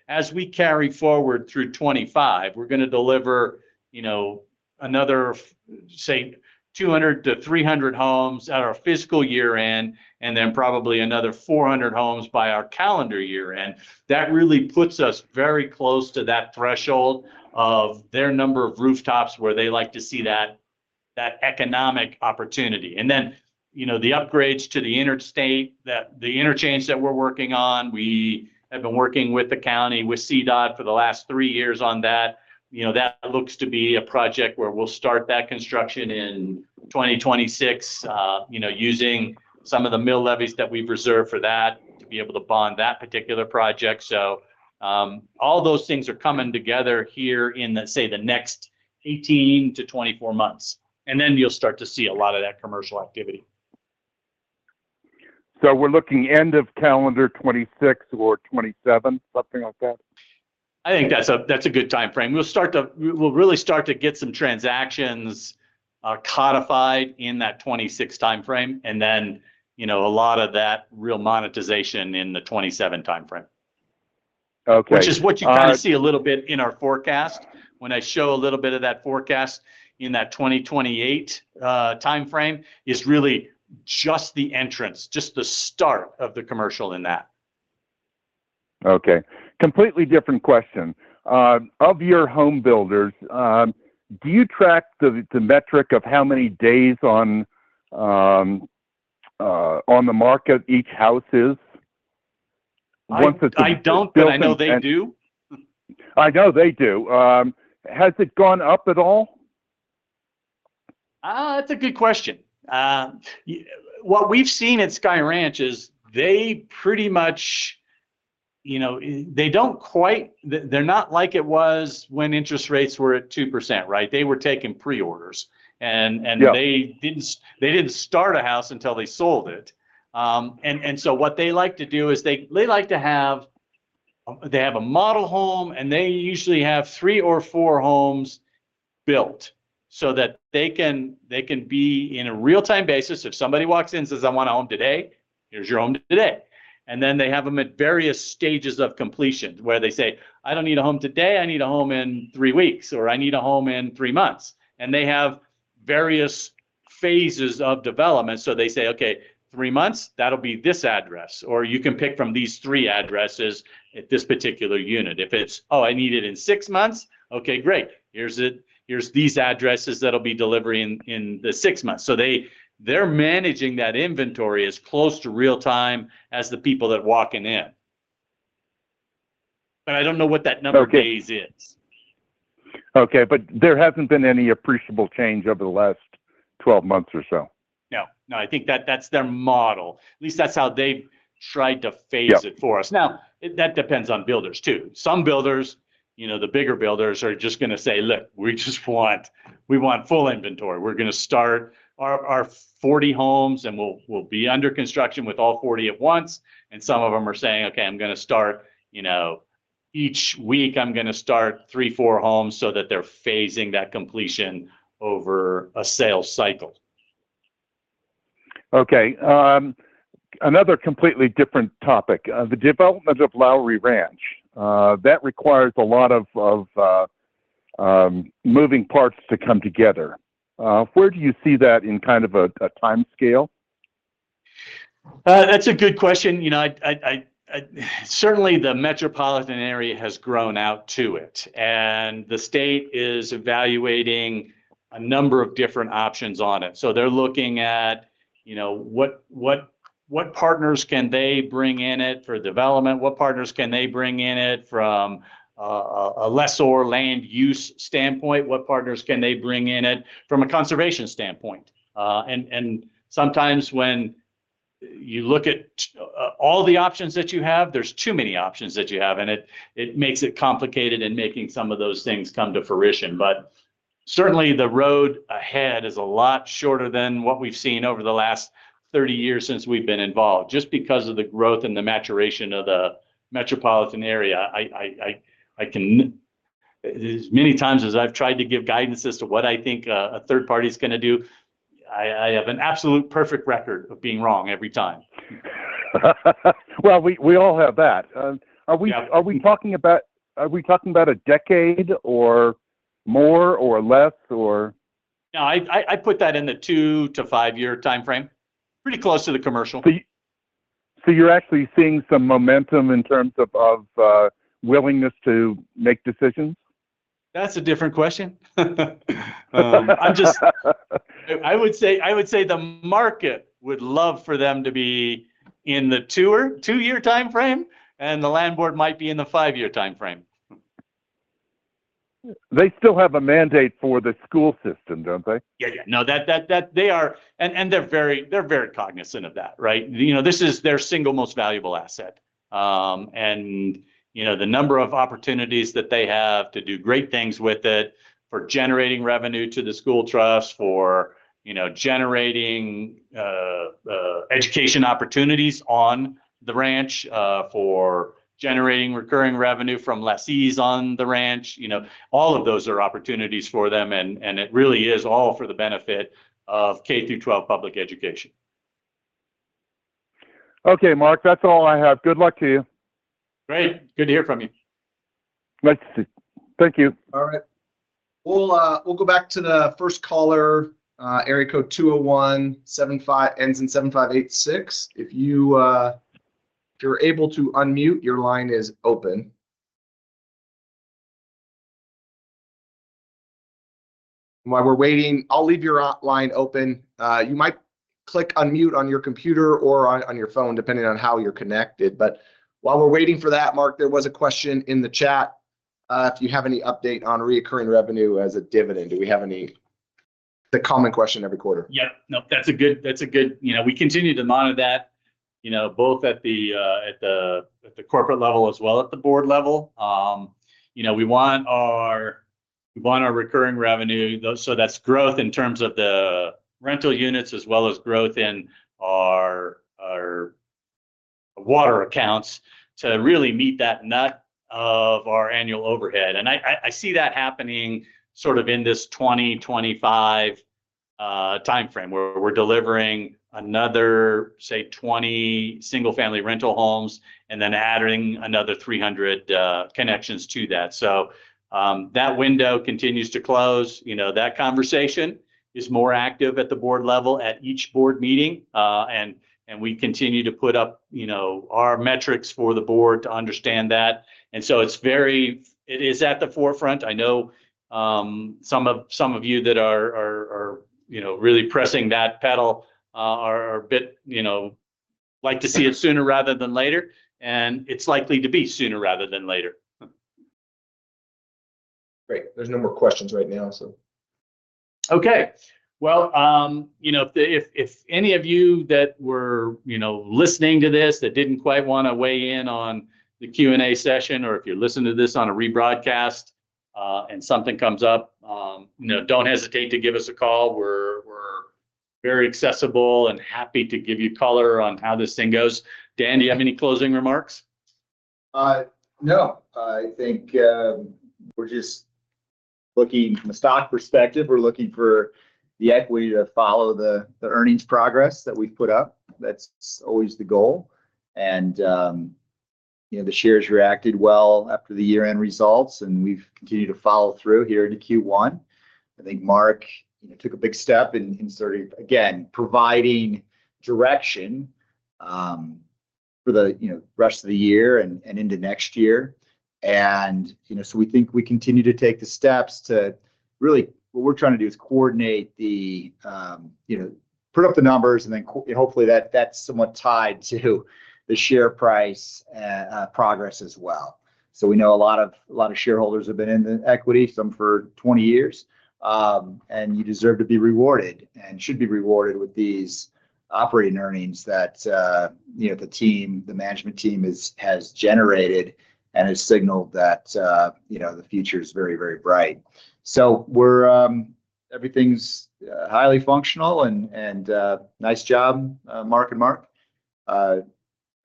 As we carry forward through 2025, we're going to deliver another, say, 200-300 homes at our fiscal year-end, and then probably another 400 homes by our calendar year-end. That really puts us very close to that threshold of their number of rooftops where they like to see that economic opportunity. The upgrades to the interchange that we're working on, we have been working with the county, with CDOT for the last three years on that. That looks to be a project where we'll start that construction in 2026 using some of the mill levies that we've reserved for that to be able to bond that particular project. All those things are coming together here in, say, the next 18-24 months. And then you'll start to see a lot of that commercial activity. So we're looking end of calendar 2026 or 2027, something like that? I think that's a good time frame. We'll really start to get some transactions codified in that 2026 time frame, and then a lot of that real monetization in the 2027 time frame. Which is what you kind of see a little bit in our forecast. When I show a little bit of that forecast in that 2028 time frame, it's really just the entrance, just the start of the commercial in that. Okay. Completely different question. Of your home builders, do you track the metric of how many days on the market each house is? I don't, but I know they do. I know they do. Has it gone up at all? That's a good question. What we've seen at Sky Ranch is they pretty much they're not like it was when interest rates were at 2%, right? They were taking pre-orders. And they didn't start a house until they sold it. And so what they like to do is they have a model home, and they usually have three or four homes built so that they can be in a real-time basis. If somebody walks in and says, "I want a home today," here's your home today. And then they have them at various stages of completion where they say, "I don't need a home today. I need a home in three weeks," or, "I need a home in three months." And they have various phases of development. So they say, "Okay, three months, that'll be this address," or, "You can pick from these three addresses at this particular unit." If it's, "Oh, I need it in six months," okay, great. Here's these addresses that'll be delivering in the six months. So they're managing that inventory as close to real-time as the people that are walking in. But I don't know what that number of days is. Okay. But there hasn't been any appreciable change over the last 12 months or so? No. No, I think that's their model. At least that's how they've tried to phase it for us. Now, that depends on builders too. Some builders, the bigger builders, are just going to say, "Look, we just want full inventory. We're going to start our 40 homes, and we'll be under construction with all 40 at once." And some of them are saying, "Okay, I'm going to start each week. I'm going to start three, four homes so that they're phasing that completion over a sales cycle." Okay. Another completely different topic. The development of Lowry Ranch, that requires a lot of moving parts to come together. Where do you see that in kind of a time scale? That's a good question. Certainly, the metropolitan area has grown out to it. And the state is evaluating a number of different options on it. So they're looking at what partners can they bring in it for development, what partners can they bring in it from a lesser land use standpoint, what partners can they bring in it from a conservation standpoint. Sometimes when you look at all the options that you have, there's too many options that you have, and it makes it complicated in making some of those things come to fruition. Certainly, the road ahead is a lot shorter than what we've seen over the last 30 years since we've been involved. Just because of the growth and the maturation of the metropolitan area, as many times as I've tried to give guidance as to what I think a third party is going to do, I have an absolute perfect record of being wrong every time. We all have that. Are we talking about a decade or more or less, or? No, I put that in the two- to five-year time frame. Pretty close to the commercial. You're actually seeing some momentum in terms of willingness to make decisions? That's a different question. I would say the market would love for them to be in the two-year time frame, and the landlord might be in the five-year time frame. They still have a mandate for the school system, don't they? Yeah. Yeah. No, they are. And they're very cognizant of that, right? This is their single most valuable asset. And the number of opportunities that they have to do great things with it for generating revenue to the school trust, for generating education opportunities on the ranch, for generating recurring revenue from lessees on the ranch, all of those are opportunities for them. And it really is all for the benefit of K-12 public education. Okay, Mark, that's all I have. Good luck to you. Great. Good to hear from you. Thank you. All right. We'll go back to the first caller. Area code 201 ends in 7586. If you're able to unmute, your line is open. While we're waiting, I'll leave your line open. You might click unmute on your computer or on your phone, depending on how you're connected. But while we're waiting for that, Mark, there was a question in the chat. If you have any update on recurring revenue as a dividend, do we have any? The common question every quarter. Yep. Nope. That's good. We continue to monitor that, both at the corporate level as well as at the board level. We want our recurring revenue, so that's growth in terms of the rental units as well as growth in our water accounts to really meet that nut of our annual overhead, and I see that happening sort of in this 2025 time frame where we're delivering another, say, 20 single-family rental homes and then adding another 300 connections to that. So that window continues to close. That conversation is more active at the board level at each board meeting. And we continue to put up our metrics for the board to understand that. And so it's very it is at the forefront. I know some of you that are really pressing that pedal are a bit like to see it sooner rather than later. And it's likely to be sooner rather than later. Great. There's no more questions right now, so. Okay. Well, if any of you that were listening to this that didn't quite want to weigh in on the Q&A session, or if you're listening to this on a rebroadcast and something comes up, don't hesitate to give us a call. We're very accessible and happy to give you color on how this thing goes. Dan, do you have any closing remarks? No. I think we're just looking from a stock perspective. We're looking for the equity to follow the earnings progress that we've put up. That's always the goal, and the shares reacted well after the year-end results, and we've continued to follow through here into Q1. I think Mark took a big step in sort of, again, providing direction for the rest of the year and into next year, and so we think we continue to take the steps to really what we're trying to do is coordinate the put up the numbers, and then hopefully that's somewhat tied to the share price progress as well, so we know a lot of shareholders have been in the equity, some for 20 years. And you deserve to be rewarded and should be rewarded with these operating earnings that the team, the management team, has generated and has signaled that the future is very, very bright. So everything's highly functional, and nice job, Mark and Mark.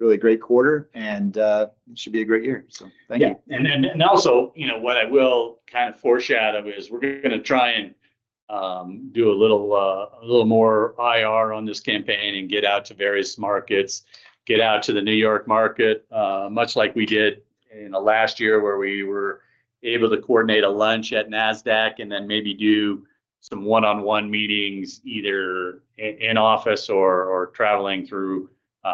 Really great quarter, and it should be a great year. So thank you. And also, what I will kind of foreshadow is we're going to try and do a little more IR on this campaign and get out to various markets, get out to the New York market, much like we did in the last year where we were able to coordinate a lunch at Nasdaq and then maybe do some one-on-one meetings either in-office or traveling through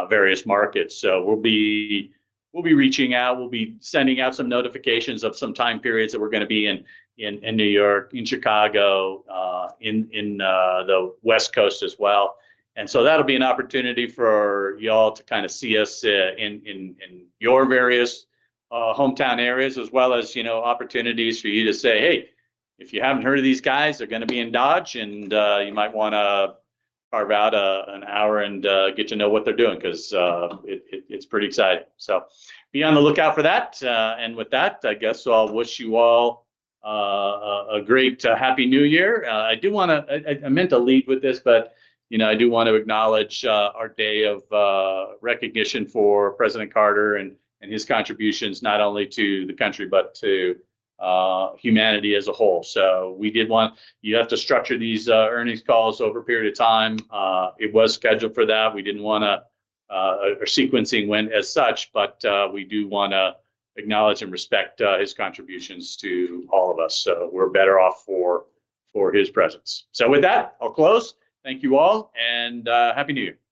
various markets. So we'll be reaching out. We'll be sending out some notifications of some time periods that we're going to be in New York, in Chicago, in the West Coast as well. And so that'll be an opportunity for y'all to kind of see us in your various hometown areas as well as opportunities for you to say, "Hey, if you haven't heard of these guys, they're going to be in Dodge, and you might want to carve out an hour and get to know what they're doing because it's pretty exciting." So be on the lookout for that. And with that, I guess I'll wish you all a great Happy New Year. I meant to lead with this, but I do want to acknowledge our day of recognition for President Carter and his contributions not only to the country but to humanity as a whole. So we didn't want to have to structure these earnings calls over a period of time. It was scheduled for that. We didn't want the sequencing to go as such, but we do want to acknowledge and respect his contributions to all of us. So we're better off for his presence. So with that, I'll close. Thank you all, and happy New Year.